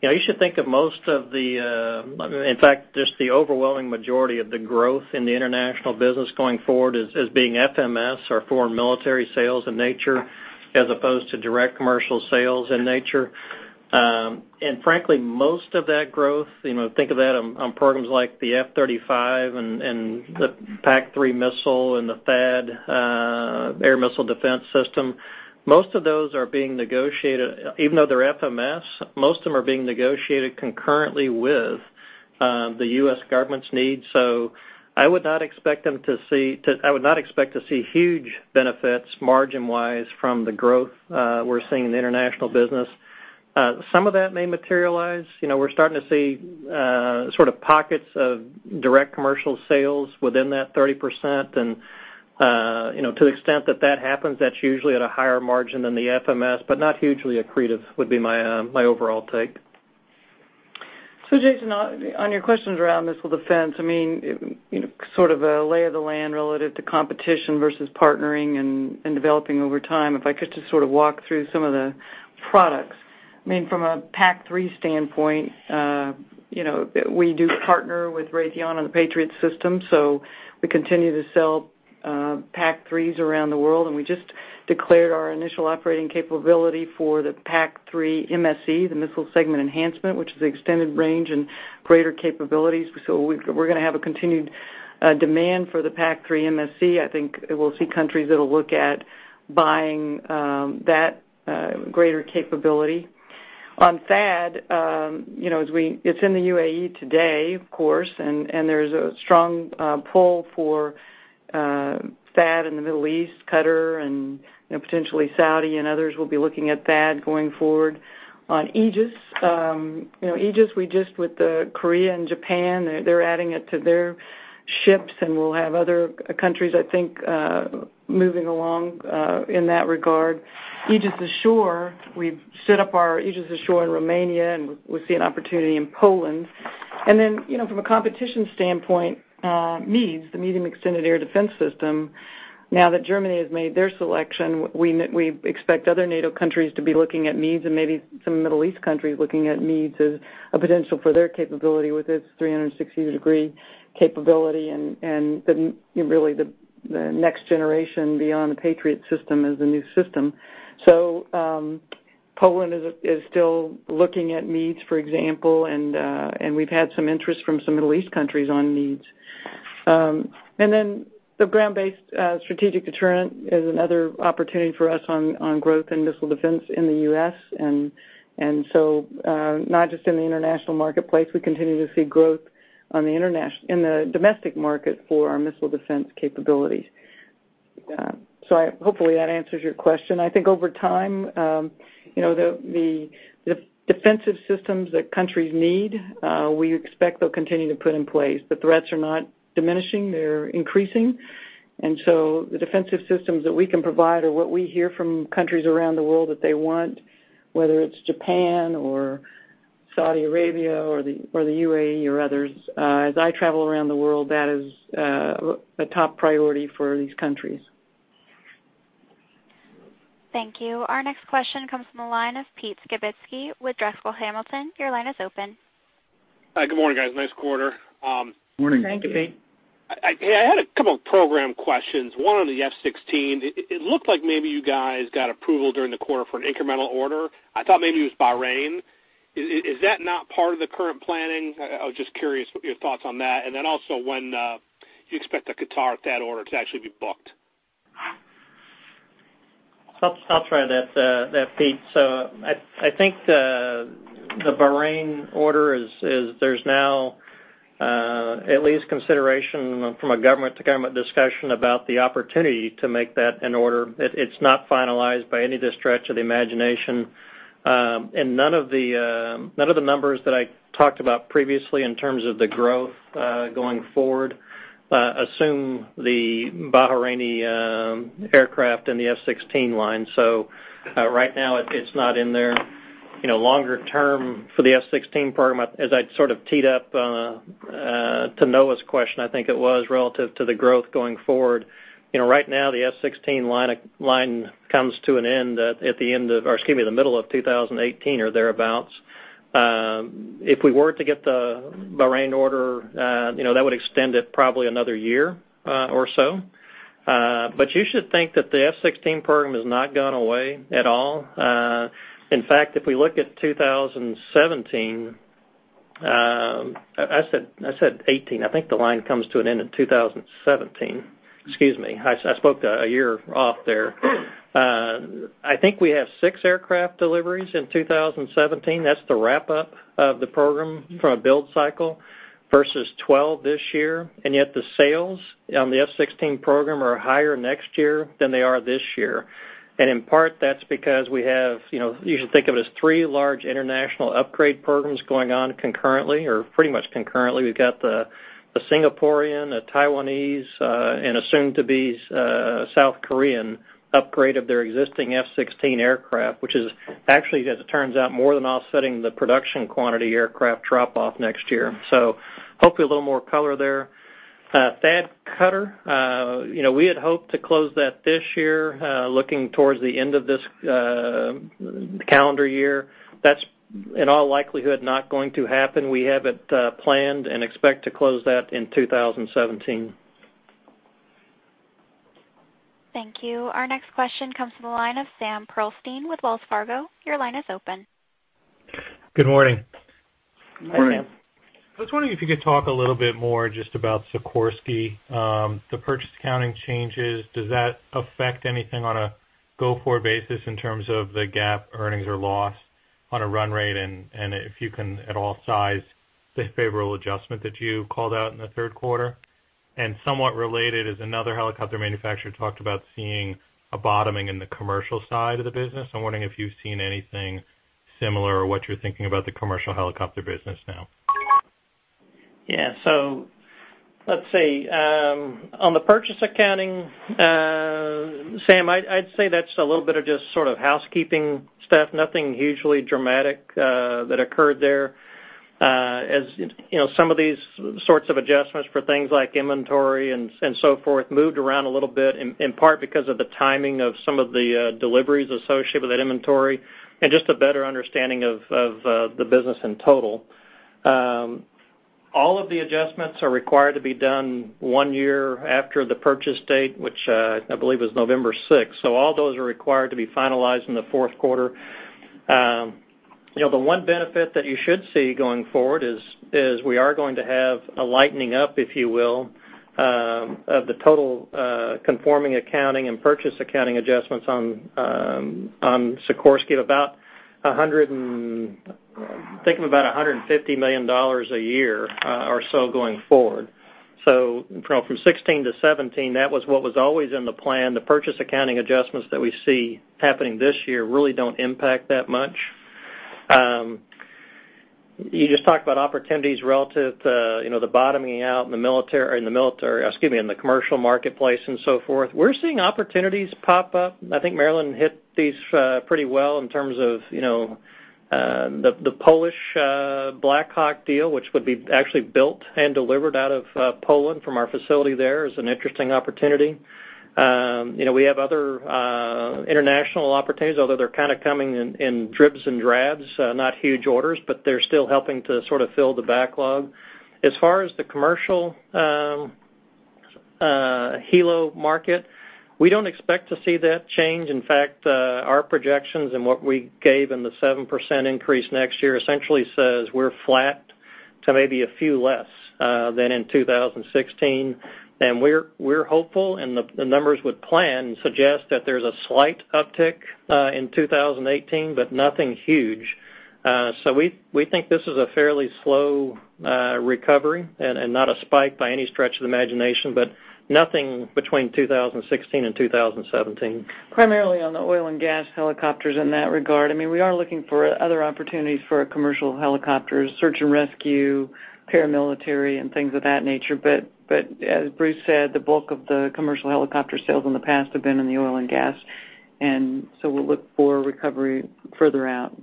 You should think of most of the, in fact, just the overwhelming majority of the growth in the international business going forward as being FMS or foreign military sales in nature, as opposed to direct commercial sales in nature. Frankly, most of that growth, think of that on programs like the F-35 and the PAC-3 missile and the THAAD air missile defense system. Most of those are being negotiated, even though they're FMS, most of them are being negotiated concurrently with the U.S. government's needs. I would not expect to see huge benefits margin-wise from the growth we're seeing in the international business. Some of that may materialize. We're starting to see sort of pockets of direct commercial sales within that 30%. To the extent that that happens, that's usually at a higher margin than the FMS, but not hugely accretive would be my overall take.
Jason, on your questions around missile defense, sort of a lay of the land relative to competition versus partnering and developing over time. If I could just sort of walk through some of the products. From a PAC-3 standpoint, we do partner with Raytheon on the Patriot system, we continue to sell PAC-3s around the world, we just declared our initial operating capability for the PAC-3 MSE, the Missile Segment Enhancement, which is extended range and greater capabilities. We're going to have a continued demand for the PAC-3 MSE. I think we'll see countries that'll look at buying that greater capability. On THAAD, it's in the UAE today, of course, there's a strong pull for THAAD in the Middle East, Qatar, and potentially Saudi and others will be looking at THAAD going forward. On Aegis, we just with Korea and Japan, they're adding it to their ships, and we'll have other countries, I think, moving along in that regard. Aegis Ashore, we've set up our Aegis Ashore in Romania, and we see an opportunity in Poland. From a competition standpoint, MEADS, the Medium Extended Air Defense System, now that Germany has made their selection, we expect other NATO countries to be looking at MEADS and maybe some Middle East countries looking at MEADS as a potential for their capability with its 360-degree capability and really the next generation beyond the Patriot system as a new system. Poland is still looking at MEADS, for example, and we've had some interest from some Middle East countries on MEADS. The ground-based strategic deterrent is another opportunity for us on growth in missile defense in the U.S. Not just in the international marketplace, we continue to see growth in the domestic market for our missile defense capabilities. Hopefully that answers your question. I think over time, the defensive systems that countries need, we expect they'll continue to put in place. The threats are not diminishing, they're increasing. The defensive systems that we can provide are what we hear from countries around the world that they want, whether it's Japan or Saudi Arabia or the UAE or others. As I travel around the world, that is a top priority for these countries.
Thank you. Our next question comes from the line of Pete Skibitski with Drexel Hamilton. Your line is open.
Hi, good morning, guys. Nice quarter.
Morning.
Thank you.
I had a couple of program questions, one on the F-16. It looked like maybe you guys got approval during the quarter for an incremental order. I thought maybe it was Bahrain. Is that not part of the current planning? I was just curious your thoughts on that. Also when you expect the Qatar, that order to actually be booked.
I'll try that, Pete. I think the Bahrain order is there's now at least consideration from a government to government discussion about the opportunity to make that an order. It's not finalized by any stretch of the imagination. None of the numbers that I talked about previously in terms of the growth going forward assume the Bahraini aircraft in the F-16 line. Right now it's not in there. Longer term for the F-16 program, as I sort of teed up to Noah's question, I think it was relative to the growth going forward. Right now the F-16 line comes to an end at the end of, or excuse me, the middle of 2018 or thereabouts. If we were to get the Bahrain order, that would extend it probably another year or so. You should think that the F-16 program has not gone away at all. In fact, if we look at 2017 I said 2018. I think the line comes to an end in 2017. Excuse me. I spoke a year off there. I think we have six aircraft deliveries in 2017. That's the wrap-up of the program from a build cycle, versus 12 this year. Yet the sales on the F-16 program are higher next year than they are this year. In part that's because we have, you should think of it as three large international upgrade programs going on concurrently or pretty much concurrently. We've got the Singaporean, the Taiwanese, and a soon-to-be South Korean upgrade of their existing F-16 aircraft, which is actually, as it turns out, more than offsetting the production quantity aircraft drop-off next year. Hopefully a little more color there. THAAD Qatar, we had hoped to close that this year, looking towards the end of this calendar year. That's, in all likelihood, not going to happen. We have it planned and expect to close that in 2017.
Thank you. Our next question comes from the line of Sam Pearlstein with Wells Fargo. Your line is open.
Good morning.
Morning.
I was wondering if you could talk a little bit more just about Sikorsky. The purchase accounting changes, does that affect anything on a go-forward basis in terms of the GAAP earnings or loss on a run rate? If you can at all size the favorable adjustment that you called out in the third quarter. Somewhat related, as another helicopter manufacturer talked about seeing a bottoming in the commercial side of the business, I'm wondering if you've seen anything similar or what you're thinking about the commercial helicopter business now.
Sam, I'd say that's a little bit of just sort of housekeeping stuff, nothing hugely dramatic that occurred there. As some of these sorts of adjustments for things like inventory and so forth moved around a little bit, in part because of the timing of some of the deliveries associated with that inventory, and just a better understanding of the business in total. All of the adjustments are required to be done one year after the purchase date, which I believe is November 6. All those are required to be finalized in the fourth quarter. The one benefit that you should see going forward is we are going to have a lightening up, if you will, of the total conforming accounting and purchase accounting adjustments on Sikorsky of about, think of about $150 million a year or so going forward. From 2016 to 2017, that was what was always in the plan. The purchase accounting adjustments that we see happening this year really don't impact that much. You just talked about opportunities relative to the bottoming out in the military, excuse me, in the commercial marketplace and so forth. We're seeing opportunities pop up. I think Marillyn hit these pretty well in terms of the Polish Black Hawk deal, which would be actually built and delivered out of Poland from our facility there, is an interesting opportunity. We have other international opportunities, although they're kind of coming in dribs and drabs, not huge orders, but they're still helping to sort of fill the backlog. As far as the commercial helo market, we don't expect to see that change. In fact, our projections and what we gave in the 7% increase next year essentially says we're flat to maybe a few less than in 2016. We're hopeful, and the numbers would plan, suggest that there's a slight uptick in 2018, but nothing huge. We think this is a fairly slow recovery and not a spike by any stretch of the imagination, but nothing between 2016 and 2017.
Primarily on the oil and gas helicopters in that regard. We are looking for other opportunities for commercial helicopters, search and rescue, paramilitary, and things of that nature. As Bruce said, the bulk of the commercial helicopter sales in the past have been in the oil and gas. We'll look for recovery further out.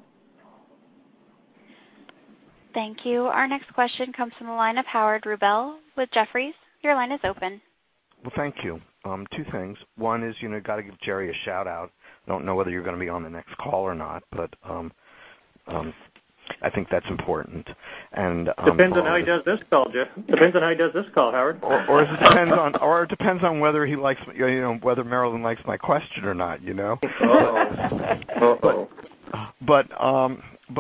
Thank you. Our next question comes from the line of Howard Rubel with Jefferies. Your line is open.
Well, thank you. Two things. One is, got to give Jerry a shout-out. Don't know whether you're going to be on the next call or not. I think that's important.
Depends on how he does this call, Howard.
It depends on whether Marillyn likes my question or not.
Uh-oh.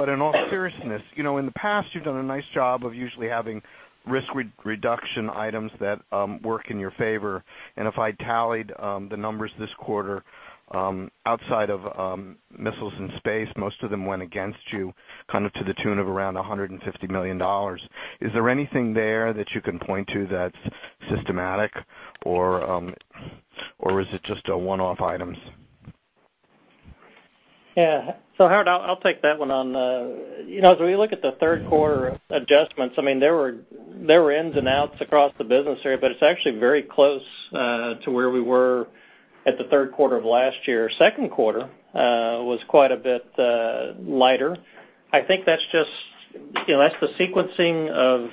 In all seriousness, in the past, you've done a nice job of usually having risk reduction items that work in your favor. If I tallied the numbers this quarter, outside of Missiles and Space, most of them went against you, kind of to the tune of around $150 million. Is there anything there that you can point to that's systematic, or is it just one-off items?
Howard, I'll take that one. As we look at the third quarter adjustments, there were ins and outs across the business here, but it's actually very close to where we were at the third quarter of last year. Second quarter was quite a bit lighter. I think that's the sequencing of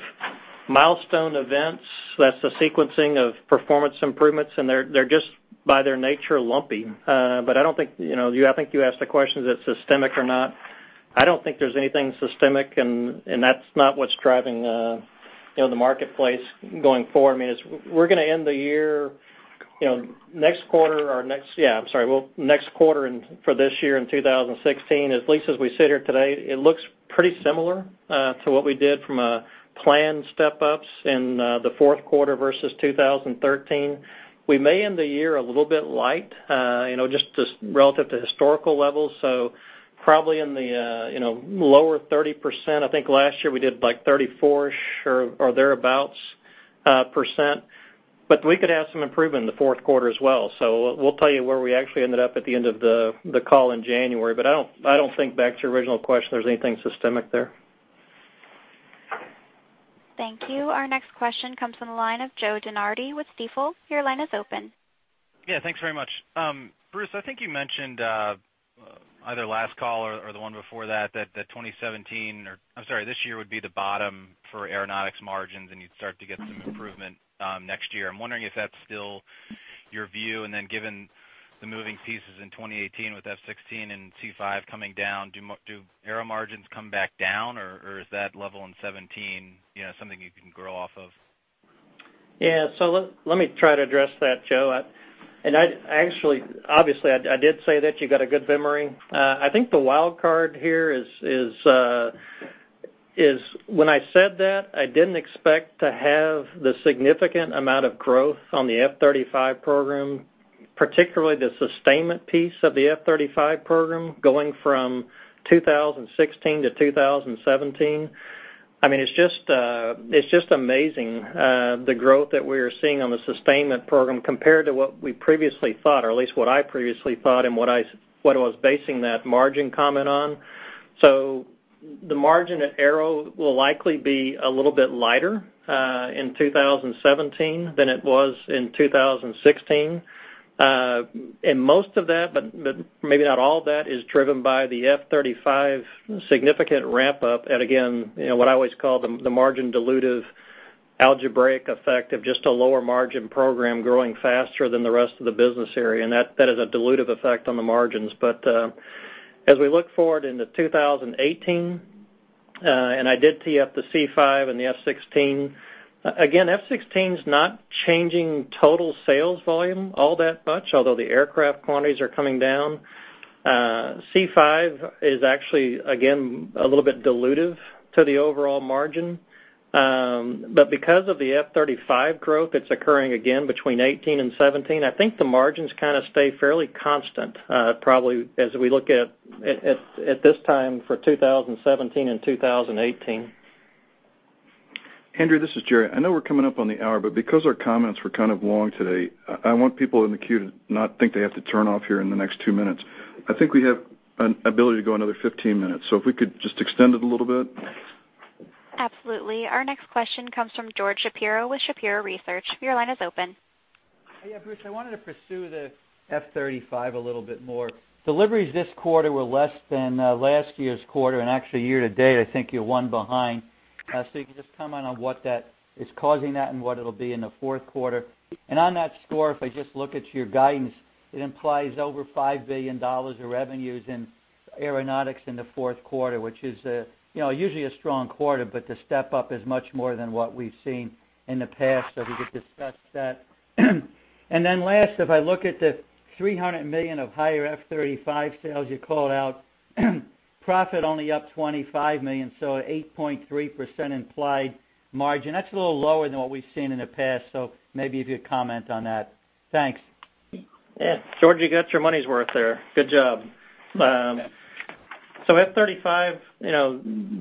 milestone events. That's the sequencing of performance improvements, and they're just, by their nature, lumpy. I think you asked the question, is it systemic or not? I don't think there's anything systemic, and that's not what's driving the marketplace going forward. We're going to end the year Next quarter for this year in 2016, at least as we sit here today, it looks pretty similar to what we did from a planned step-ups in the fourth quarter versus 2013. We may end the year a little bit light, just relative to historical levels. Probably in the lower 30%. I think last year we did 34-ish or thereabouts %. We could have some improvement in the fourth quarter as well. We'll tell you where we actually ended up at the end of the call in January. I don't think, back to your original question, there's anything systemic there.
Thank you. Our next question comes from the line of Joe DeNardi with Stifel. Your line is open.
Thanks very much. Bruce, I think you mentioned, either last call or the one before that this year would be the bottom for Aeronautics margins, and you'd start to get some improvement next year. I'm wondering if that's still your view. Given the moving pieces in 2018 with F-16 and C-5 coming down, do Aero margins come back down, or is that level in 2017 something you can grow off of?
Let me try to address that, Joe. Obviously, I did say that. You got a good memory. I think the wild card here is when I said that, I didn't expect to have the significant amount of growth on the F-35 program, particularly the sustainment piece of the F-35 program going from 2016 to 2017. It's just amazing the growth that we're seeing on the sustainment program compared to what we previously thought, or at least what I previously thought and what I was basing that margin comment on. The margin at Aero will likely be a little bit lighter in 2017 than it was in 2016. Most of that, but maybe not all of that, is driven by the F-35 significant ramp up at, again, what I always call the margin dilutive algebraic effect of just a lower margin program growing faster than the rest of the business area, and that is a dilutive effect on the margins. As we look forward into 2018, and I did tee up the C-5 and the F-16. Again, F-16's not changing total sales volume all that much, although the aircraft quantities are coming down. C-5 is actually, again, a little bit dilutive to the overall margin. Because of the F-35 growth that's occurring again between 2018 and 2017, I think the margins kind of stay fairly constant, probably as we look at this time for 2017 and 2018.
Andrea, this is Jerry. I know we're coming up on the hour, because our comments were kind of long today, I want people in the queue to not think they have to turn off here in the next two minutes. I think we have an ability to go another 15 minutes, if we could just extend it a little bit.
Absolutely. Our next question comes from George Shapiro with Shapiro Research. Your line is open.
Yeah. Bruce, I wanted to pursue the F-35 a little bit more. Deliveries this quarter were less than last year's quarter, and actually, year to date, I think you're one behind. If you could just comment on what is causing that and what it'll be in the fourth quarter. On that score, if I just look at your guidance, it implies over $5 billion of revenues in Aeronautics in the fourth quarter, which is usually a strong quarter, but the step-up is much more than what we've seen in the past. If we could discuss that. Last, if I look at the $300 million of higher F-35 sales you called out, profit only up $25 million, so 8.3% implied margin. That's a little lower than what we've seen in the past, so maybe if you could comment on that. Thanks.
Yeah. George, you got your money's worth there. Good job. F-35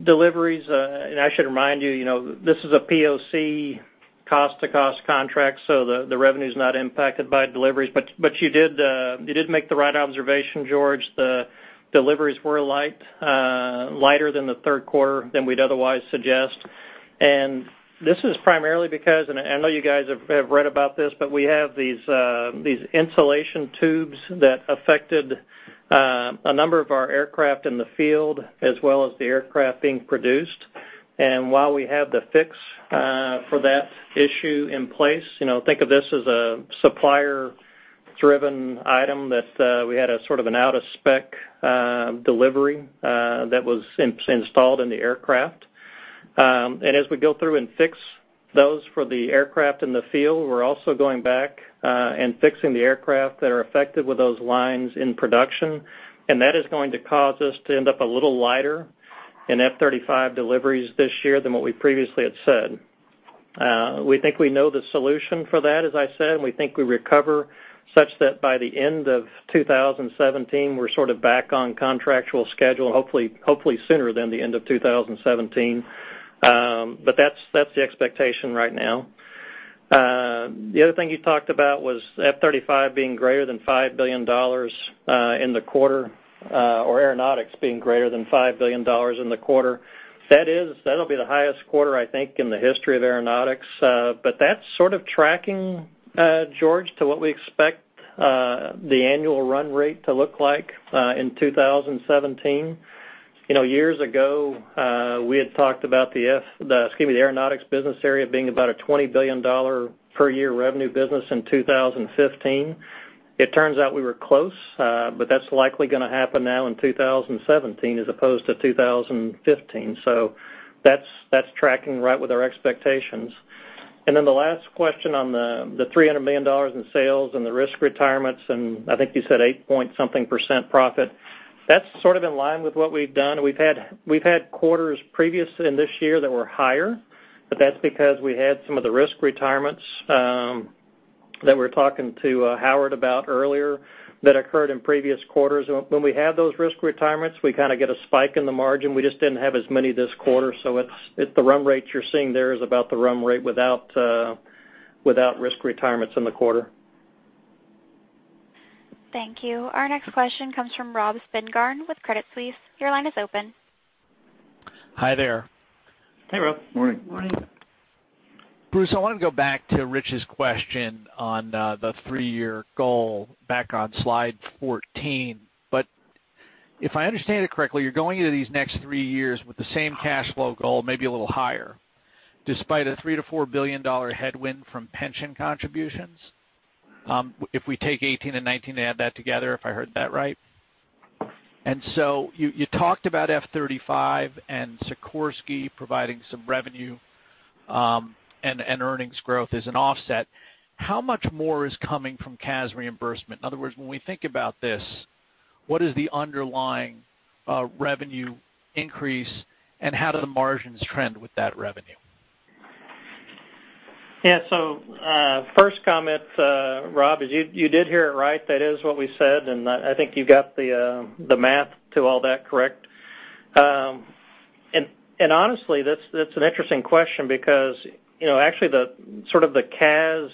deliveries, and I should remind you, this is a POC cost-to-cost contract, so the revenue's not impacted by deliveries. You did make the right observation, George. The deliveries were light, lighter than the third quarter than we'd otherwise suggest. This is primarily because, and I know you guys have read about this, but we have these insulation tubes that affected a number of our aircraft in the field, as well as the aircraft being produced. While we have the fix for that issue in place, think of this as a supplier-driven item that we had a sort of an out-of-spec delivery that was installed in the aircraft. As we go through and fix those for the aircraft in the field, we're also going back and fixing the aircraft that are affected with those lines in production. That is going to cause us to end up a little lighter in F-35 deliveries this year than what we previously had said. We think we know the solution for that, as I said, and we think we recover such that by the end of 2017, we're sort of back on contractual schedule. Hopefully sooner than the end of 2017. That's the expectation right now. The other thing you talked about was F-35 being greater than $5 billion in the quarter, or Aeronautics being greater than $5 billion in the quarter. That'll be the highest quarter, I think, in the history of Aeronautics. That's sort of tracking, George, to what we expect the annual run rate to look like in 2017. Years ago, we had talked about the Aeronautics business area being about a $20 billion per year revenue business in 2015. It turns out we were close, but that's likely going to happen now in 2017 as opposed to 2015. That's tracking right with our expectations. The last question on the $300 million in sales and the risk retirements, and I think you said eight-point something% profit. That's sort of in line with what we've done. We've had quarters previously in this year that were higher, but that's because we had some of the risk retirements that we were talking to Howard about earlier, that occurred in previous quarters. When we have those risk retirements, we kind of get a spike in the margin. We just didn't have as many this quarter, so the run rate you're seeing there is about the run rate without risk retirements in the quarter.
Thank you. Our next question comes from Rob Spingarn with Credit Suisse. Your line is open.
Hi there.
Hey, Rob. Morning.
Morning. Bruce, I wanted to go back to Rich's question on the three-year goal back on slide 14. If I understand it correctly, you're going into these next three years with the same cash flow goal, maybe a little higher, despite a $3 billion-$4 billion headwind from pension contributions. If we take 2018 and 2019 and add that together, if I heard that right. You talked about F-35 and Sikorsky providing some revenue, and earnings growth as an offset. How much more is coming from CAS reimbursement? In other words, when we think about this, what is the underlying revenue increase, and how do the margins trend with that revenue?
First comment, Rob, is you did hear it right. That is what we said, and I think you got the math to all that correct. Honestly, that's an interesting question because actually, sort of the CAS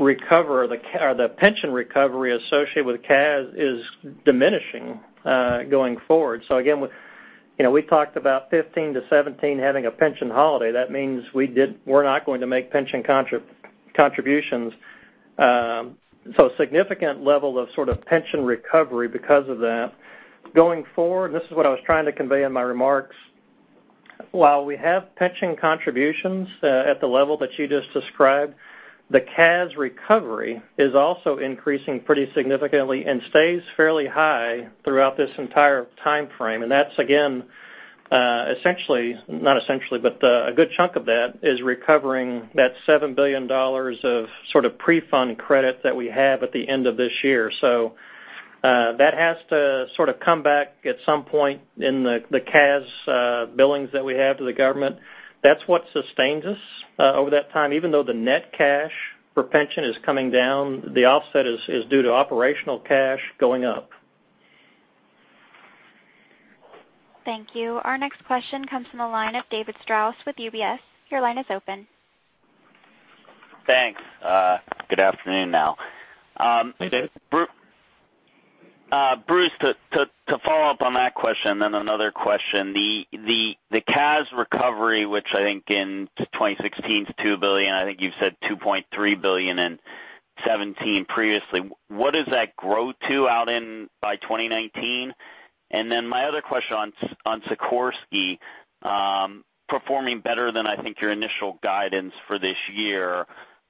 recovery or the pension recovery associated with CAS is diminishing, going forward. Again, we talked about 2015 to 2017 having a pension holiday. That means we're not going to make pension contributions. So a significant level of sort of pension recovery because of that. Going forward, this is what I was trying to convey in my remarks. While we have pension contributions at the level that you just described, the CAS recovery is also increasing pretty significantly and stays fairly high throughout this entire timeframe. That's, again, a good chunk of that is recovering that $7 billion of sort of pre-fund credit that we have at the end of this year. That has to sort of come back at some point in the CAS billings that we have to the government. That's what sustains us over that time. Even though the net cash for pension is coming down, the offset is due to operational cash going up.
Thank you. Our next question comes from the line of David Strauss with UBS. Your line is open.
Thanks. Good afternoon now.
Hey, Dave.
Bruce, to follow up on that question. Another question, the CAS recovery, which I think in 2016 is $2 billion, I think you've said $2.3 billion in 2017 previously. What does that grow to out by 2019? My other question on Sikorsky performing better than I think your initial guidance for this year.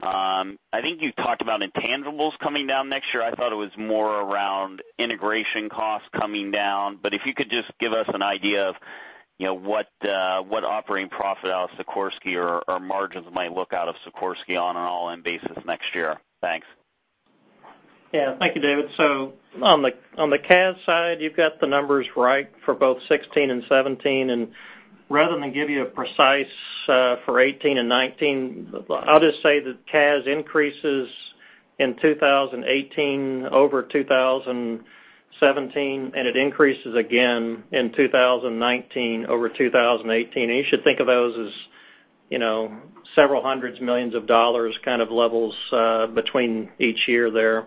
I think you talked about intangibles coming down next year. I thought it was more around integration costs coming down. If you could just give us an idea of what operating profit out of Sikorsky or margins might look out of Sikorsky on an all-in basis next year. Thanks.
Thank you, David. On the CAS side, you've got the numbers right for both 2016 and 2017. Rather than give you a precise for 2018 and 2019, I'll just say that CAS increases in 2018 over 2017, it increases again in 2019 over 2018. You should think of those as several hundreds of millions of dollars kind of levels between each year there.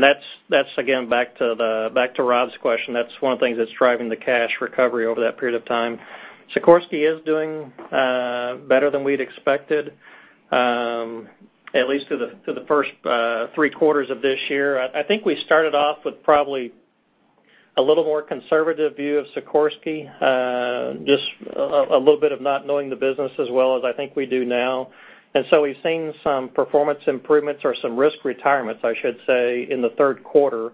That's again, back to Rob's question. That's one of the things that's driving the cash recovery over that period of time. Sikorsky is doing better than we'd expected, at least through the first three quarters of this year. I think we started off with probably a little more conservative view of Sikorsky. Just a little bit of not knowing the business as well as I think we do now. We've seen some performance improvements or some risk retirements, I should say, in the third quarter,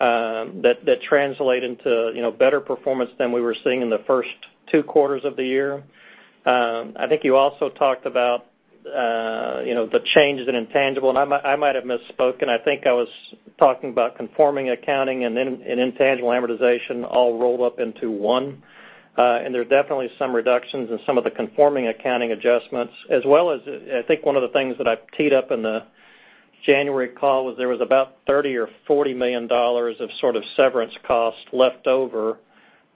that translate into better performance than we were seeing in the first two quarters of the year. I think you also talked about the changes in intangible, I might have misspoken. I think I was talking about conforming accounting and intangible amortization all rolled up into one. There's definitely some reductions in some of the conforming accounting adjustments, as well as, I think one of the things that I teed up in the January call was there was about $30 million or $40 million of sort of severance costs left over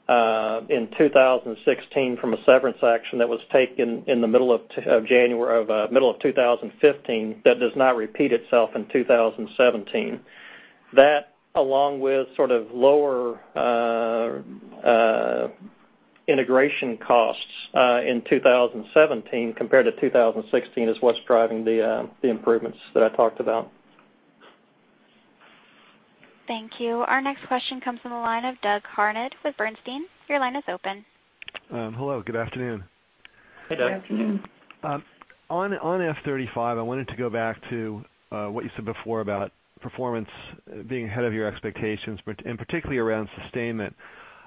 in 2016 from a severance action that was taken in the middle of 2015 that does not repeat itself in 2017. That, along with sort of lower integration costs in 2017 compared to 2016, is what's driving the improvements that I talked about.
Thank you. Our next question comes from the line of Doug Harned with Bernstein. Your line is open.
Hello, good afternoon.
Hey, Doug.
Good afternoon.
On F-35, I wanted to go back to what you said before about performance being ahead of your expectations, and particularly around sustainment.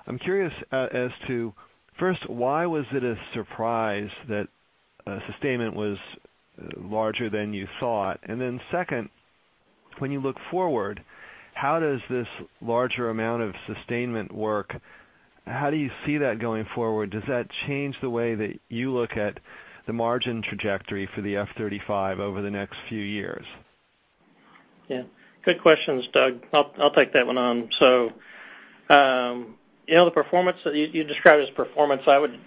I'm curious as to, first, why was it a surprise that sustainment was larger than you thought? Second, when you look forward, how does this larger amount of sustainment work, how do you see that going forward? Does that change the way that you look at the margin trajectory for the F-35 over the next few years?
Good questions, Doug. I'll take that one on. The performance, you describe as performance, I would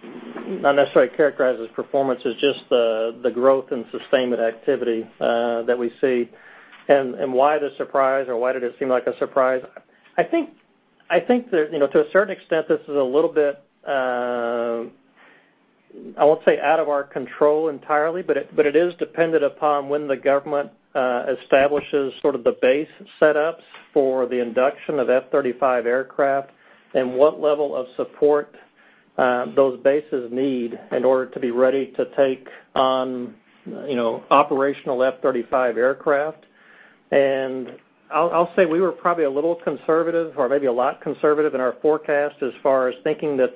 not necessarily characterize as performance, as just the growth in sustainment activity that we see. Why the surprise, or why did it seem like a surprise? I think that to a certain extent, this is a little bit, I won't say out of our control entirely, but it is dependent upon when the government establishes sort of the base setups for the induction of F-35 aircraft and what level of support those bases need in order to be ready to take on operational F-35 aircraft. I'll say we were probably a little conservative or maybe a lot conservative in our forecast as far as thinking that,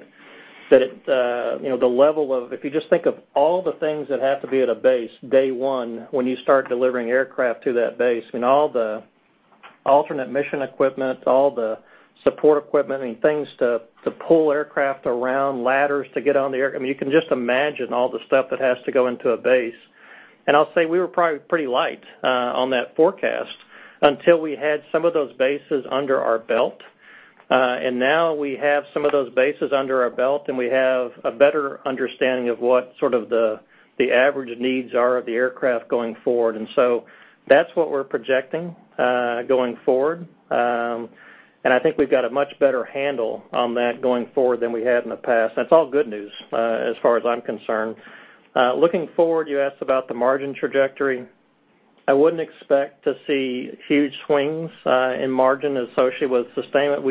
if you just think of all the things that have to be at a base day one, when you start delivering aircraft to that base, and all the alternate mission equipment, all the support equipment and things to pull aircraft around, ladders to get on the air. I mean, you can just imagine all the stuff that has to go into a base. I'll say we were probably pretty light on that forecast until we had some of those bases under our belt. Now we have some of those bases under our belt, and we have a better understanding of what sort of the average needs are of the aircraft going forward. That's what we're projecting going forward. I think we've got a much better handle on that going forward than we had in the past. That's all good news, as far as I'm concerned. Looking forward, you asked about the margin trajectory. I wouldn't expect to see huge swings in margin associated with sustainment.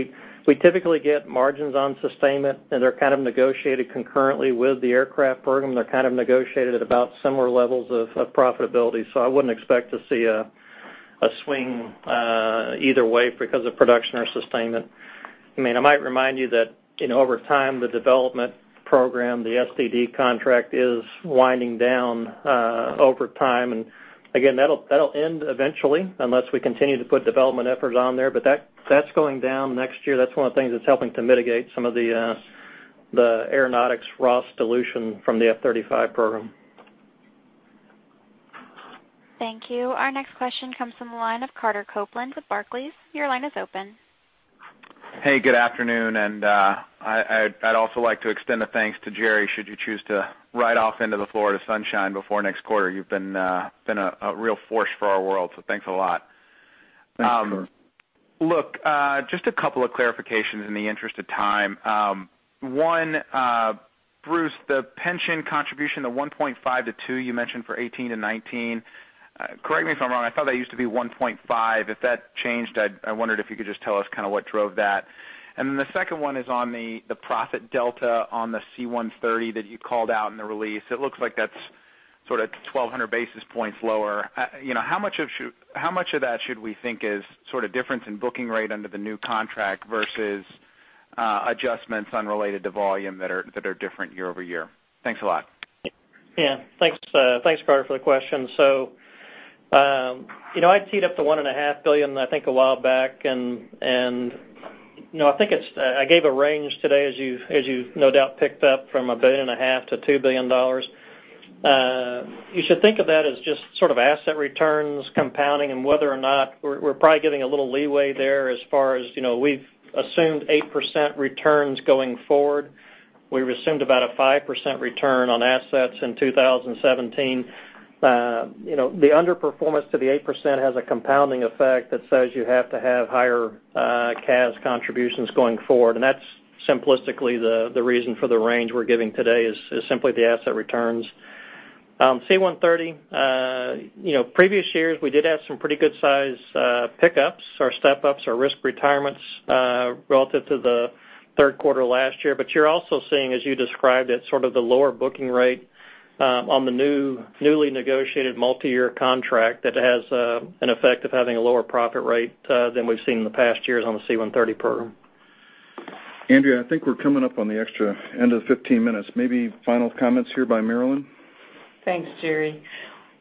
We typically get margins on sustainment, and they're kind of negotiated concurrently with the aircraft program. They're kind of negotiated at about similar levels of profitability. I wouldn't expect to see a swing either way because of production or sustainment. I might remind you that over time, the development program, the SDD contract, is winding down over time. Again, that'll end eventually, unless we continue to put development efforts on there. That's going down next year. That's one of the things that's helping to mitigate some of the Aeronautics resolution from the F-35 program.
Thank you. Our next question comes from the line of Carter Copeland with Barclays. Your line is open.
Hey, good afternoon. I'd also like to extend a thanks to Jerry should you choose to ride off into the Florida sunshine before next quarter. You've been a real force for our world, so thanks a lot.
Thanks, Carter.
Look, just a couple of clarifications in the interest of time. One, Bruce, the pension contribution of $1.5 billion to $2 billion you mentioned for 2018 to 2019. Correct me if I'm wrong, I thought that used to be $1.5 billion. If that changed, I wondered if you could just tell us kind of what drove that. Then the second one is on the profit delta on the C-130 that you called out in the release. It looks like that's sort of 1,200 basis points lower. How much of that should we think is sort of difference in booking rate under the new contract versus adjustments unrelated to volume that are different year-over-year? Thanks a lot.
Thanks, Carter, for the question. I teed up the $1.5 billion, I think, a while back, and no, I think I gave a range today as you no doubt picked up from a billion and a half to $2 billion. You should think of that as just sort of asset returns compounding and whether or not we're probably getting a little leeway there as far as we've assumed 8% returns going forward. We've assumed about a 5% return on assets in 2017. The underperformance to the 8% has a compounding effect that says you have to have higher cash contributions going forward. That's simplistically the reason for the range we're giving today is simply the asset returns. C-130. Previous years, we did have some pretty good size pickups or step-ups or risk retirements relative to the third quarter last year. You're also seeing, as you described it, sort of the lower booking rate on the newly negotiated multi-year contract that has an effect of having a lower profit rate than we've seen in the past years on the C-130 program.
Andrea, I think we're coming up on the extra end of the 15 minutes. Maybe final comments here by Marillyn.
Thanks, Jerry.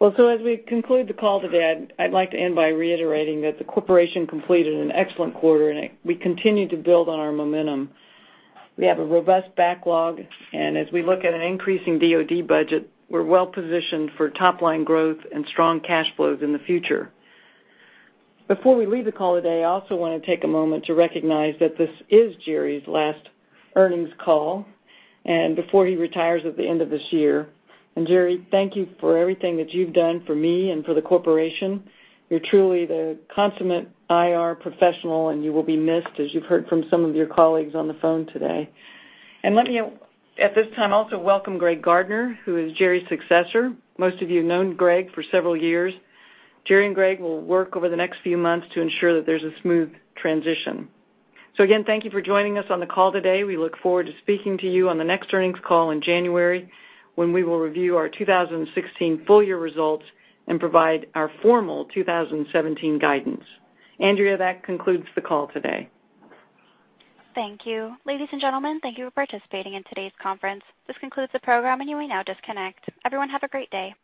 As we conclude the call today, I'd like to end by reiterating that the corporation completed an excellent quarter, and we continue to build on our momentum. We have a robust backlog, and as we look at an increasing DoD budget, we're well-positioned for top-line growth and strong cash flows in the future. Before we leave the call today, I also want to take a moment to recognize that this is Jerry's last earnings call, and before he retires at the end of this year. Jerry, thank you for everything that you've done for me and for the corporation. You're truly the consummate IR professional, and you will be missed, as you've heard from some of your colleagues on the phone today. Let me at this time also welcome Greg Gardner, who is Jerry's successor. Most of you have known Greg for several years. Jerry and Greg will work over the next few months to ensure that there's a smooth transition. Again, thank you for joining us on the call today. We look forward to speaking to you on the next earnings call in January, when we will review our 2016 full-year results and provide our formal 2017 guidance. Andrea, that concludes the call today.
Thank you. Ladies and gentlemen, thank you for participating in today's conference. This concludes the program, and you may now disconnect. Everyone, have a great day.